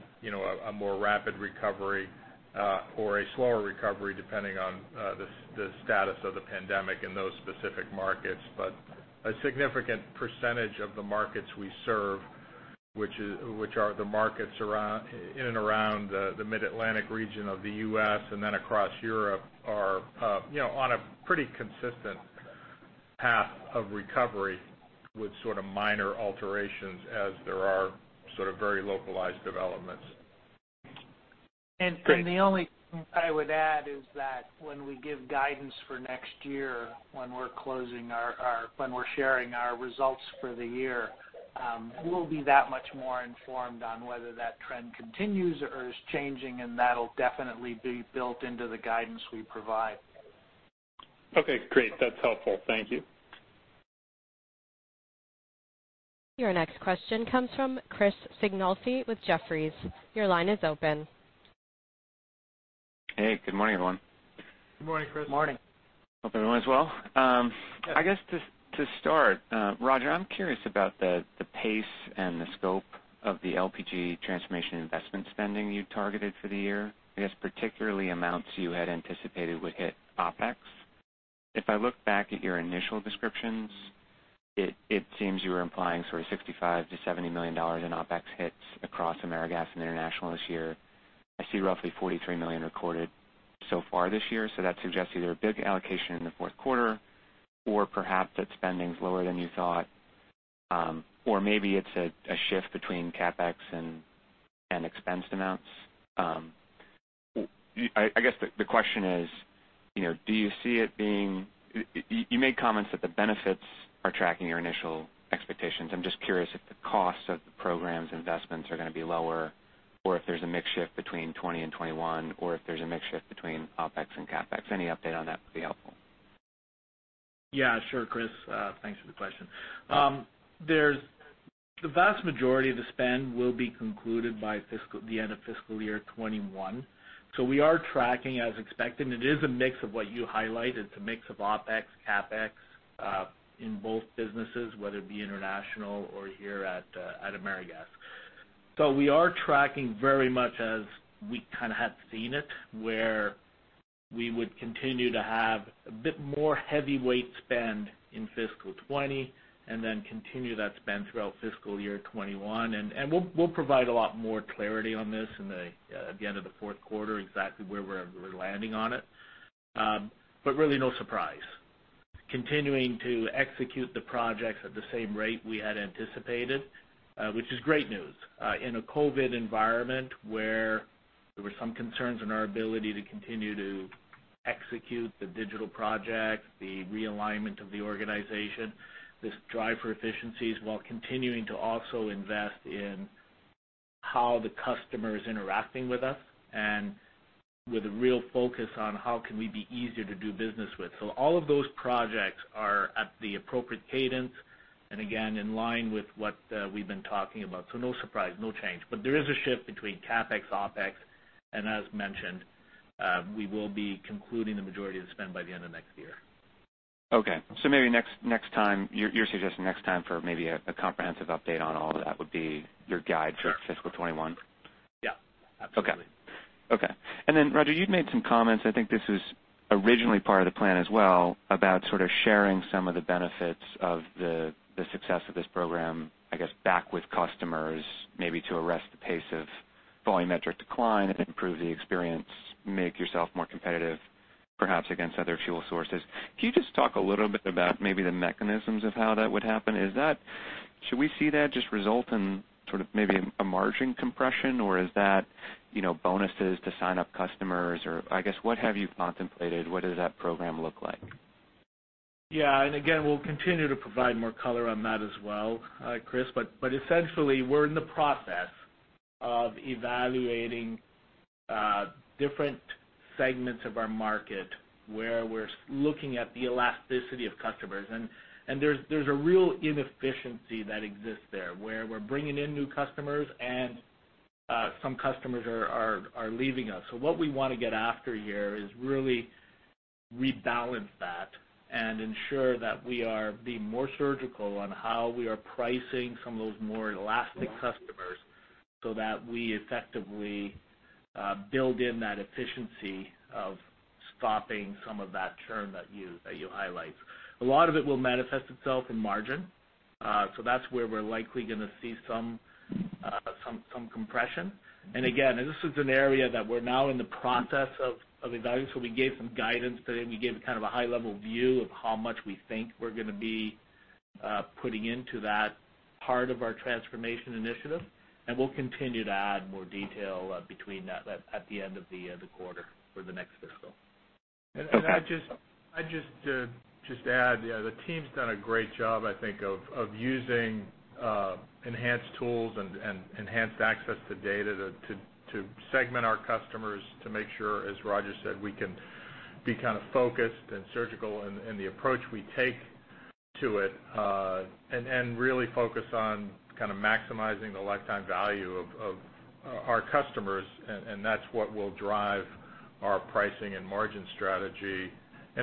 a more rapid recovery or a slower recovery depending on the status of the pandemic in those specific markets. A significant percentage of the markets we serve, which are the markets in and around the Mid-Atlantic region of the U.S. and then across Europe are on a pretty consistent path of recovery with sort of minor alterations as there are sort of very localized developments. Great. The only thing I would add is that when we give guidance for next year, when we're sharing our results for the year, we'll be that much more informed on whether that trend continues or is changing, and that'll definitely be built into the guidance we provide. Okay, great. That is helpful. Thank you. Your next question comes from Chris Sighinolfi with Jefferies. Your line is open. Hey, good morning, everyone. Good morning, Chris. Morning. Hope everyone is well. I guess to start, Roger, I'm curious about the pace and the scope of the LPG transformation investment spending you targeted for the year. I guess particularly amounts you had anticipated would hit OpEx. If I look back at your initial descriptions, it seems you were implying sort of $65 million-$70 million in OpEx hits across AmeriGas and UGI International this year. I see roughly $43 million recorded so far this year, so that suggests either a big allocation in the fourth quarter or perhaps that spending's lower than you thought. Or maybe it's a shift between CapEx and expensed amounts. I guess the question is, you made comments that the benefits are tracking your initial expectations. I'm just curious if the cost of the programs investments are going to be lower or if there's a mix shift between 2020 and 2021, or if there's a mix shift between OpEx and CapEx. Any update on that would be helpful. Yeah, sure, Chris. Thanks for the question. The vast majority of the spend will be concluded by the end of fiscal year 2021. We are tracking as expected, and it is a mix of what you highlighted. It's a mix of OpEx, CapEx, in both businesses, whether it be International or here at AmeriGas. We are tracking very much as we kind of had seen it, where we would continue to have a bit more heavyweight spend in fiscal 2020, and then continue that spend throughout fiscal year 2021. We'll provide a lot more clarity on this at the end of the fourth quarter, exactly where we're landing on it. Really no surprise. Continuing to execute the projects at the same rate we had anticipated, which is great news. In a COVID-19 environment where there were some concerns in our ability to continue to execute the digital project, the realignment of the organization, this drive for efficiencies while continuing to also invest in how the customer is interacting with us, and with a real focus on how can we be easier to do business with. All of those projects are at the appropriate cadence, and again, in line with what we've been talking about. No surprise, no change. There is a shift between CapEx, OpEx, and as mentioned, we will be concluding the majority of the spend by the end of next year. Okay. Maybe you're suggesting next time for maybe a comprehensive update on all of that would be your guide. Sure fiscal 2021. Yeah. Absolutely. Okay. Roger, you'd made some comments, I think this was originally part of the plan as well, about sort of sharing some of the benefits of the success of this program, I guess, back with customers, maybe to arrest the pace of volumetric decline, improve the experience, make yourself more competitive perhaps against other fuel sources. Can you just talk a little bit about maybe the mechanisms of how that would happen? Should we see that just result in sort of maybe a margin compression, or is that bonuses to sign up customers or, I guess, what have you contemplated? What does that program look like? Yeah, again, we'll continue to provide more color on that as well, Chris. Essentially, we're in the process of evaluating different segments of our market where we're looking at the elasticity of customers. There's a real inefficiency that exists there, where we're bringing in new customers and some customers are leaving us. What we want to get after here is really rebalance that and ensure that we are being more surgical on how we are pricing some of those more elastic customers, so that we effectively build in that efficiency of stopping some of that churn that you highlight. A lot of it will manifest itself in margin. That's where we're likely going to see some compression. Again, this is an area that we're now in the process of evaluating. We gave some guidance today. We gave kind of a high-level view of how much we think we're going to be putting into that part of our transformation initiative. We'll continue to add more detail between that at the end of the quarter for the next fiscal. Okay. I'd just add, the team's done a great job, I think, of using enhanced tools and enhanced access to data to segment our customers to make sure, as Roger said, we can be kind of focused and surgical in the approach we take to it, and really focus on kind of maximizing the lifetime value of our customers. That's what will drive our pricing and margin strategy.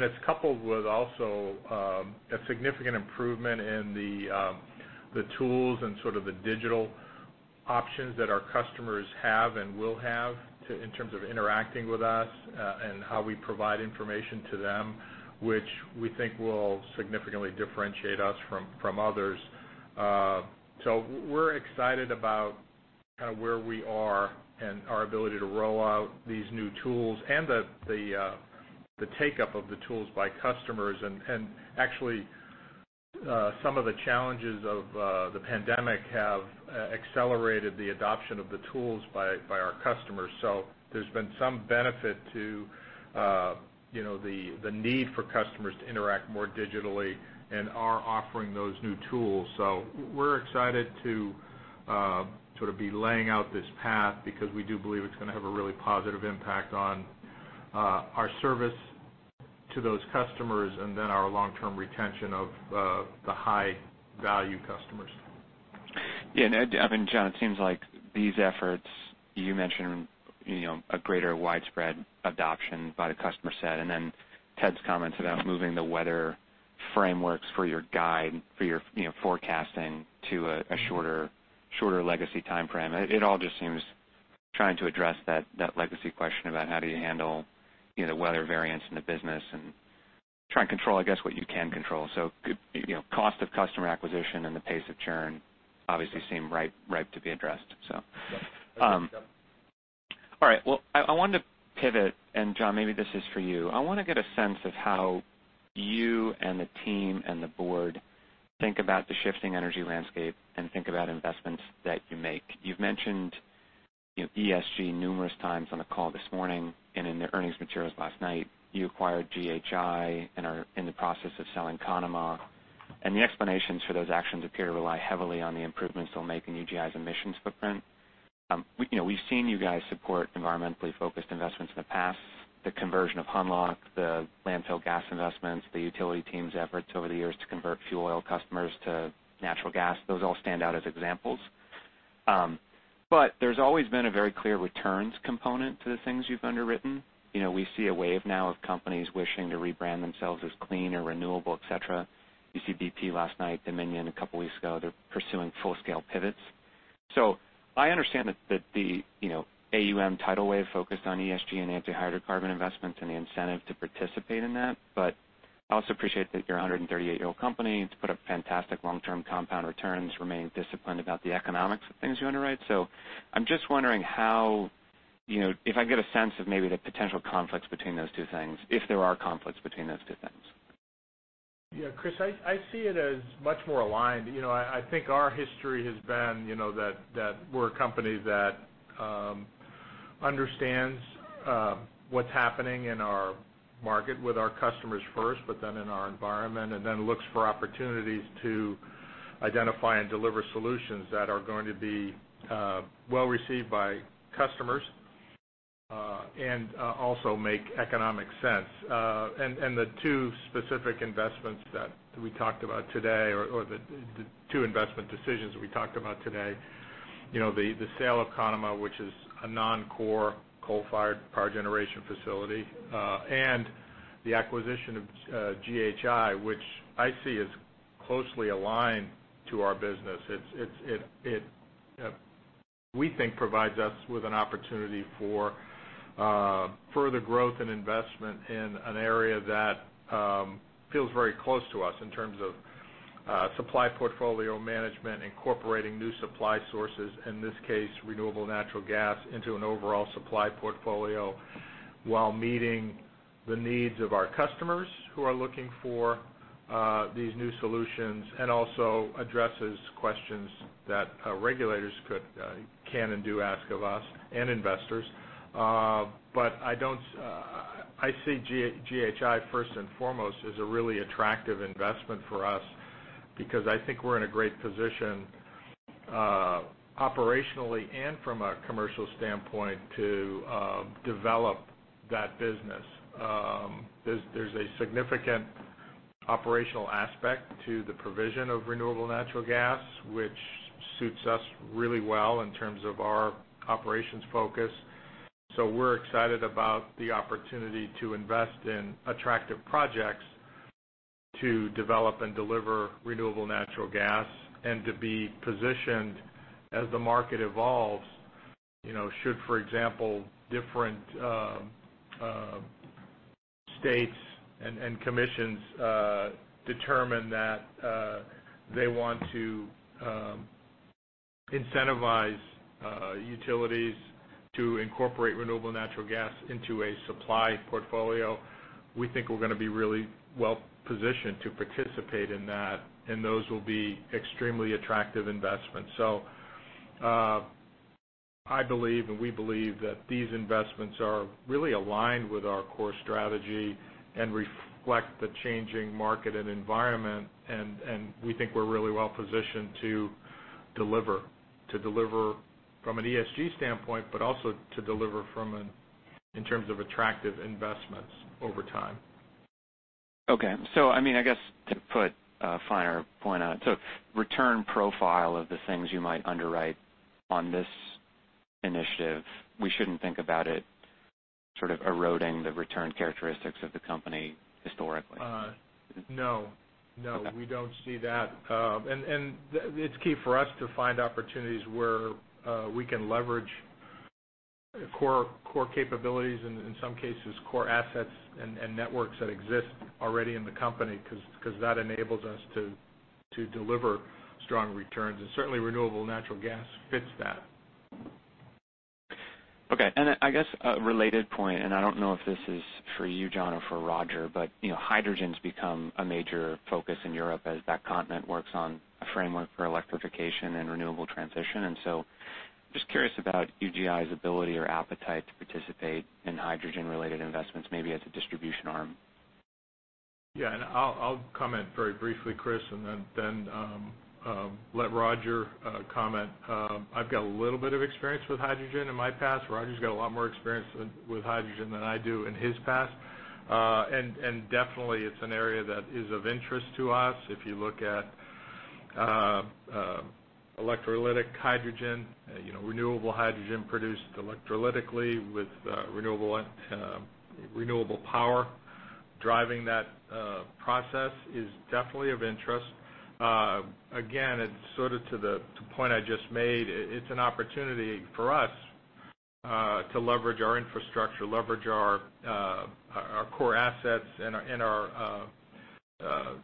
It's coupled with also a significant improvement in the tools and sort of the digital options that our customers have and will have in terms of interacting with us, and how we provide information to them, which we think will significantly differentiate us from others. We're excited about kind of where we are and our ability to roll out these new tools and the take-up of the tools by customers. Actually, some of the challenges of the pandemic have accelerated the adoption of the tools by our customers. There's been some benefit to the need for customers to interact more digitally and our offering those new tools. We're excited to sort of be laying out this path because we do believe it's going to have a really positive impact on our service to those customers, and then our long-term retention of the high-value customers. Yeah. I mean, John, it seems like these efforts, you mentioned a greater widespread adoption by the customer set, and then Ted's comments about moving the weather frameworks for your guide, for your forecasting to a shorter legacy timeframe. It all just seems trying to address that legacy question about how do you handle the weather variance in the business and try and control, I guess, what you can control. Cost of customer acquisition and the pace of churn obviously seem ripe to be addressed. Yep. I think so. All right. Well, I wanted to pivot, and John, maybe this is for you. I want to get a sense of how you and the team and the board think about the shifting energy landscape and think about investments that you make. You've mentioned ESG numerous times on the call this morning, and in the earnings materials last night. You acquired GHI and are in the process of selling Conemaugh. The explanations for those actions appear to rely heavily on the improvements it'll make in UGI's emissions footprint. We've seen you guys support environmentally focused investments in the past. The conversion of Hunlock, the landfill gas investments, the utility team's efforts over the years to convert fuel oil customers to natural gas. Those all stand out as examples. There's always been a very clear returns component to the things you've underwritten. We see a wave now of companies wishing to rebrand themselves as clean or renewable, et cetera. You see BP last night, Dominion a couple of weeks ago. They're pursuing full-scale pivots. I understand that the AUM tidal wave focused on ESG and anti-hydrocarbon investments and the incentive to participate in that. I also appreciate that you're a 138-year-old company. To put up fantastic long-term compound returns, remain disciplined about the economics of things you underwrite. I'm just wondering if I can get a sense of maybe the potential conflicts between those two things, if there are conflicts between those two things. Yeah. Chris, I see it as much more aligned. I think our history has been that we're a company that understands what's happening in our market with our customers first, but then in our environment, and then looks for opportunities to identify and deliver solutions that are going to be well-received by customers, and also make economic sense. The two specific investments that we talked about today, or the two investment decisions we talked about today. The sale of Conemaugh, which is a non-core coal-fired power generation facility, and the acquisition of GHI, which I see as closely aligned to our business. We think it provides us with an opportunity for further growth and investment in an area that feels very close to us in terms of supply portfolio management, incorporating new supply sources, in this case, renewable natural gas, into an overall supply portfolio while meeting the needs of our customers who are looking for these new solutions, and also addresses questions that regulators can and do ask of us and investors. I see GHI first and foremost as a really attractive investment for us because I think we're in a great position operationally and from a commercial standpoint to develop that business. There's a significant operational aspect to the provision of renewable natural gas, which suits us really well in terms of our operations focus. We're excited about the opportunity to invest in attractive projects to develop and deliver renewable natural gas and to be positioned as the market evolves, should, for example, different states and commissions determine that they want to incentivize utilities to incorporate renewable natural gas into a supply portfolio. We think we're going to be really well-positioned to participate in that, and those will be extremely attractive investments. I believe, and we believe that these investments are really aligned with our core strategy and reflect the changing market and environment, and we think we're really well-positioned to deliver from an ESG standpoint, but also to deliver in terms of attractive investments over time. Okay. I guess to put a finer point on it. Return profile of the things you might underwrite on this initiative, we shouldn't think about it sort of eroding the return characteristics of the company historically. No. We don't see that. It's key for us to find opportunities where we can leverage core capabilities, in some cases, core assets and networks that exist already in the company, because that enables us to deliver strong returns. Certainly, renewable natural gas fits that. I guess a related point, and I don't know if this is for you, John, or for Roger. Hydrogen's become a major focus in Europe as that continent works on a framework for electrification and renewable transition. Just curious about UGI's ability or appetite to participate in hydrogen-related investments, maybe as a distribution arm. I'll comment very briefly, Chris, and then let Roger comment. I've got a little bit of experience with hydrogen in my past. Roger's got a lot more experience with hydrogen than I do in his past. Definitely, it's an area that is of interest to us. If you look at electrolytic hydrogen, renewable hydrogen produced electrolytically with renewable power driving that process is definitely of interest. It's sort of to the point I just made. It's an opportunity for us to leverage our infrastructure, leverage our core assets and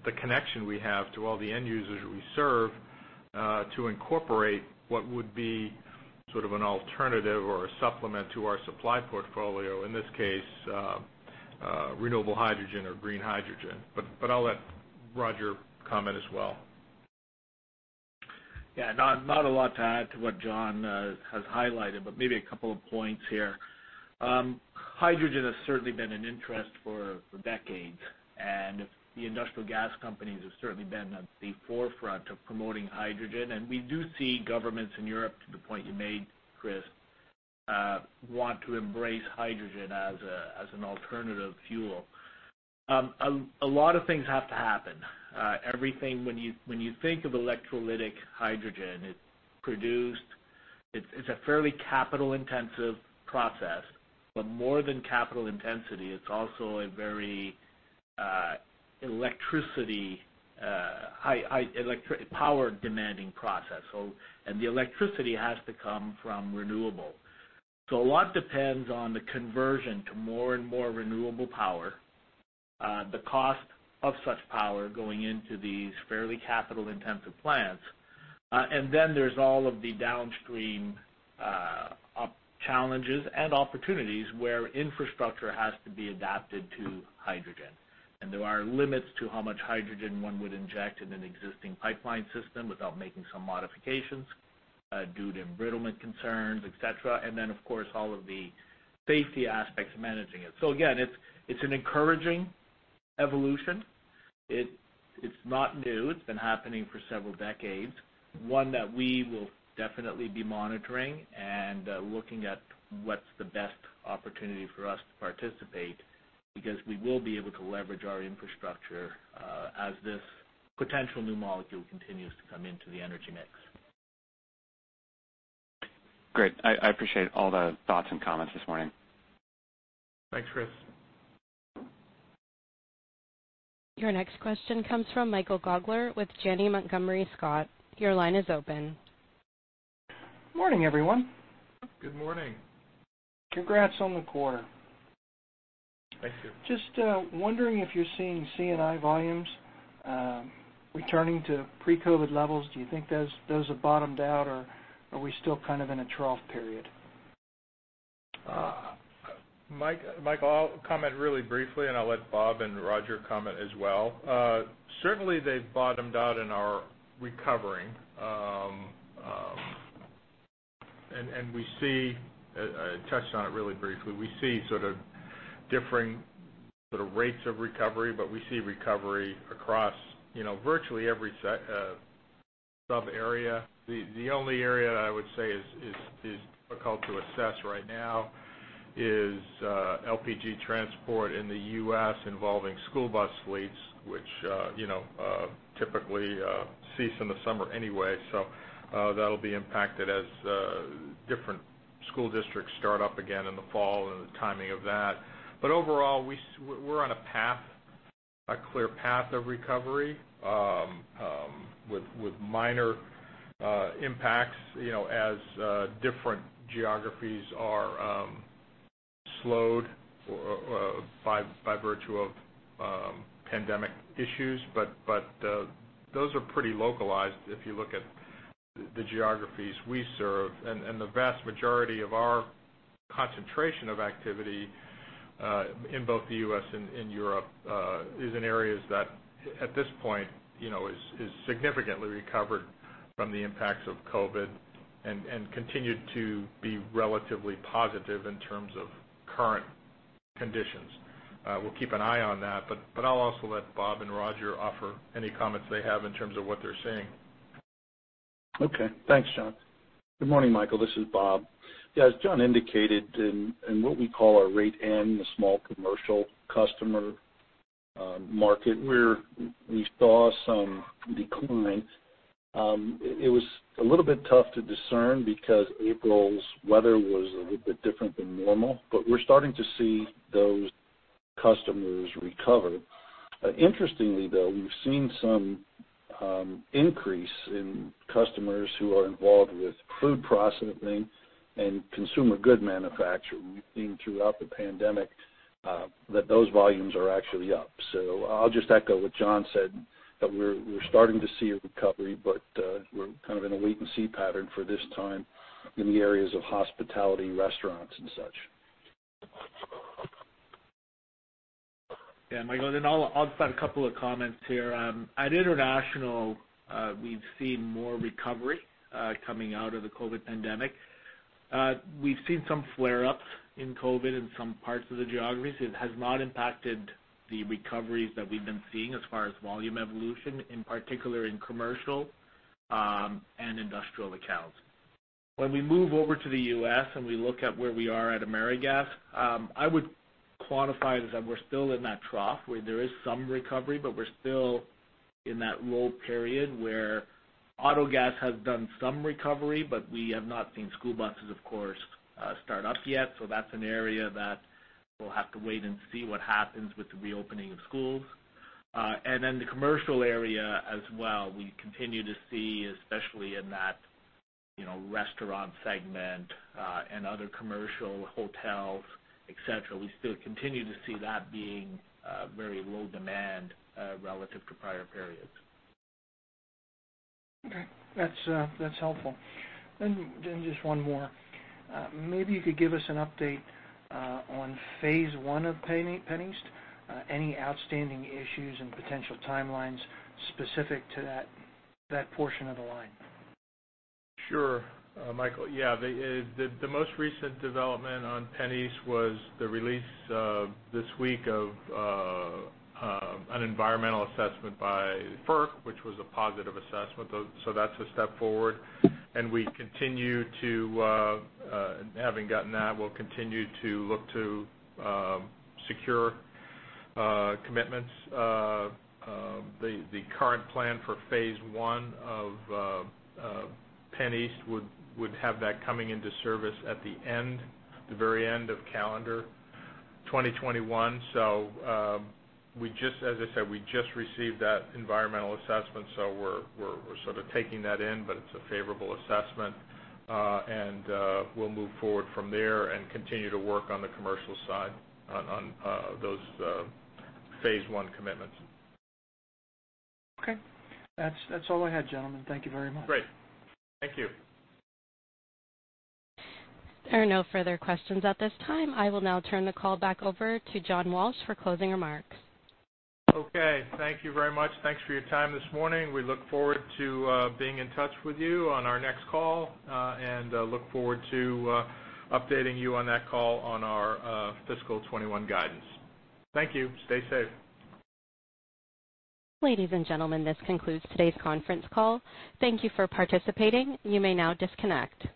the connection we have to all the end users we serve to incorporate what would be sort of an alternative or a supplement to our supply portfolio, in this case, renewable hydrogen or green hydrogen. I'll let Roger comment as well. Yeah, not a lot to add to what John has highlighted, but maybe a couple of points here. Hydrogen has certainly been an interest for decades, and the industrial gas companies have certainly been at the forefront of promoting hydrogen. We do see governments in Europe, to the point you made, Chris, want to embrace hydrogen as an alternative fuel. A lot of things have to happen. When you think of electrolytic hydrogen, it's a fairly capital-intensive process. More than capital intensity, it's also a very electricity, power-demanding process. The electricity has to come from renewable. A lot depends on the conversion to more and more renewable power, the cost of such power going into these fairly capital-intensive plants. Then there's all of the downstream challenges and opportunities where infrastructure has to be adapted to hydrogen. There are limits to how much hydrogen one would inject in an existing pipeline system without making some modifications due to embrittlement concerns, et cetera. Then, of course, all of the safety aspects of managing it. Again, it's an encouraging evolution. It's not new. It's been happening for several decades. One that we will definitely be monitoring and looking at what's the best opportunity for us to participate. Because we will be able to leverage our infrastructure as this potential new molecule continues to come into the energy mix. Great. I appreciate all the thoughts and comments this morning. Thanks, Chris. Your next question comes from Michael Gaugler with Janney Montgomery Scott. Your line is open. Morning, everyone. Good morning. Congrats on the quarter. Thank you. Just wondering if you're seeing C&I volumes returning to pre-COVID levels. Do you think those have bottomed out, or are we still kind of in a trough period? Michael, I'll comment really briefly, and I'll let Bob and Roger comment as well. Certainly, they've bottomed out and are recovering. I touched on it really briefly. We see sort of differing sort of rates of recovery, but we see recovery across virtually every sub-area. The only area that I would say is difficult to assess right now is LPG transport in the U.S. involving school bus fleets, which typically cease in the summer anyway. That'll be impacted as different school districts start up again in the fall and the timing of that. Overall, we're on a clear path of recovery with minor impacts as different geographies are slowed by virtue of pandemic issues. Those are pretty localized if you look at the geographies we serve. The vast majority of our concentration of activity in both the U.S. and Europe is in areas that, at this point, is significantly recovered from the impacts of COVID-19 and continue to be relatively positive in terms of current conditions. We'll keep an eye on that, but I'll also let Bob and Roger offer any comments they have in terms of what they're seeing. Okay. Thanks, John. Good morning, Michael. This is Bob. Yeah, as John indicated, in what we call our Rate N, the small commercial customer market, we saw some decline. It was a little bit tough to discern because April's weather was a little bit different than normal, but we're starting to see those customers recover. Interestingly, though, we've seen some increase in customers who are involved with food processing and consumer good manufacturing. We've seen throughout the pandemic that those volumes are actually up. I'll just echo what John said, that we're starting to see a recovery, but we're kind of in a wait-and-see pattern for this time in the areas of hospitality, restaurants, and such. Yeah, Michael, I'll add a couple of comments here. At International, we've seen more recovery coming out of the COVID pandemic. We've seen some flare-ups in COVID in some parts of the geographies. It has not impacted the recoveries that we've been seeing as far as volume evolution, in particular in commercial and industrial accounts. When we move over to the U.S. and we look at where we are at AmeriGas, I would quantify this that we're still in that trough where there is some recovery, but we're still in that lull period where auto gas has done some recovery, but we have not seen school buses, of course, start up yet. That's an area that we'll have to wait and see what happens with the reopening of schools. The commercial area as well. We continue to see, especially in that restaurant segment and other commercial hotels, et cetera, we still continue to see that being very low demand relative to prior periods. Okay. That's helpful. Just one more. Maybe you could give us an update on phase 1 of PennEast. Any outstanding issues and potential timelines specific to that portion of the line? Sure. Michael, yeah. The most recent development on PennEast was the release this week of an environmental assessment by FERC, which was a positive assessment. That's a step forward, and having gotten that, we'll continue to look to secure commitments. The current plan for phase 1 of PennEast would have that coming into service at the very end of calendar 2021. As I said, we just received that environmental assessment, so we're sort of taking that in, but it's a favorable assessment. We'll move forward from there and continue to work on the commercial side on those phase 1 commitments. Okay. That's all I had, gentlemen. Thank you very much. Great. Thank you. There are no further questions at this time. I will now turn the call back over to John Walsh for closing remarks. Okay. Thank you very much. Thanks for your time this morning. We look forward to being in touch with you on our next call and look forward to updating you on that call on our fiscal 2021 guidance. Thank you. Stay safe. Ladies and gentlemen, this concludes today's conference call. Thank you for participating. You may now disconnect.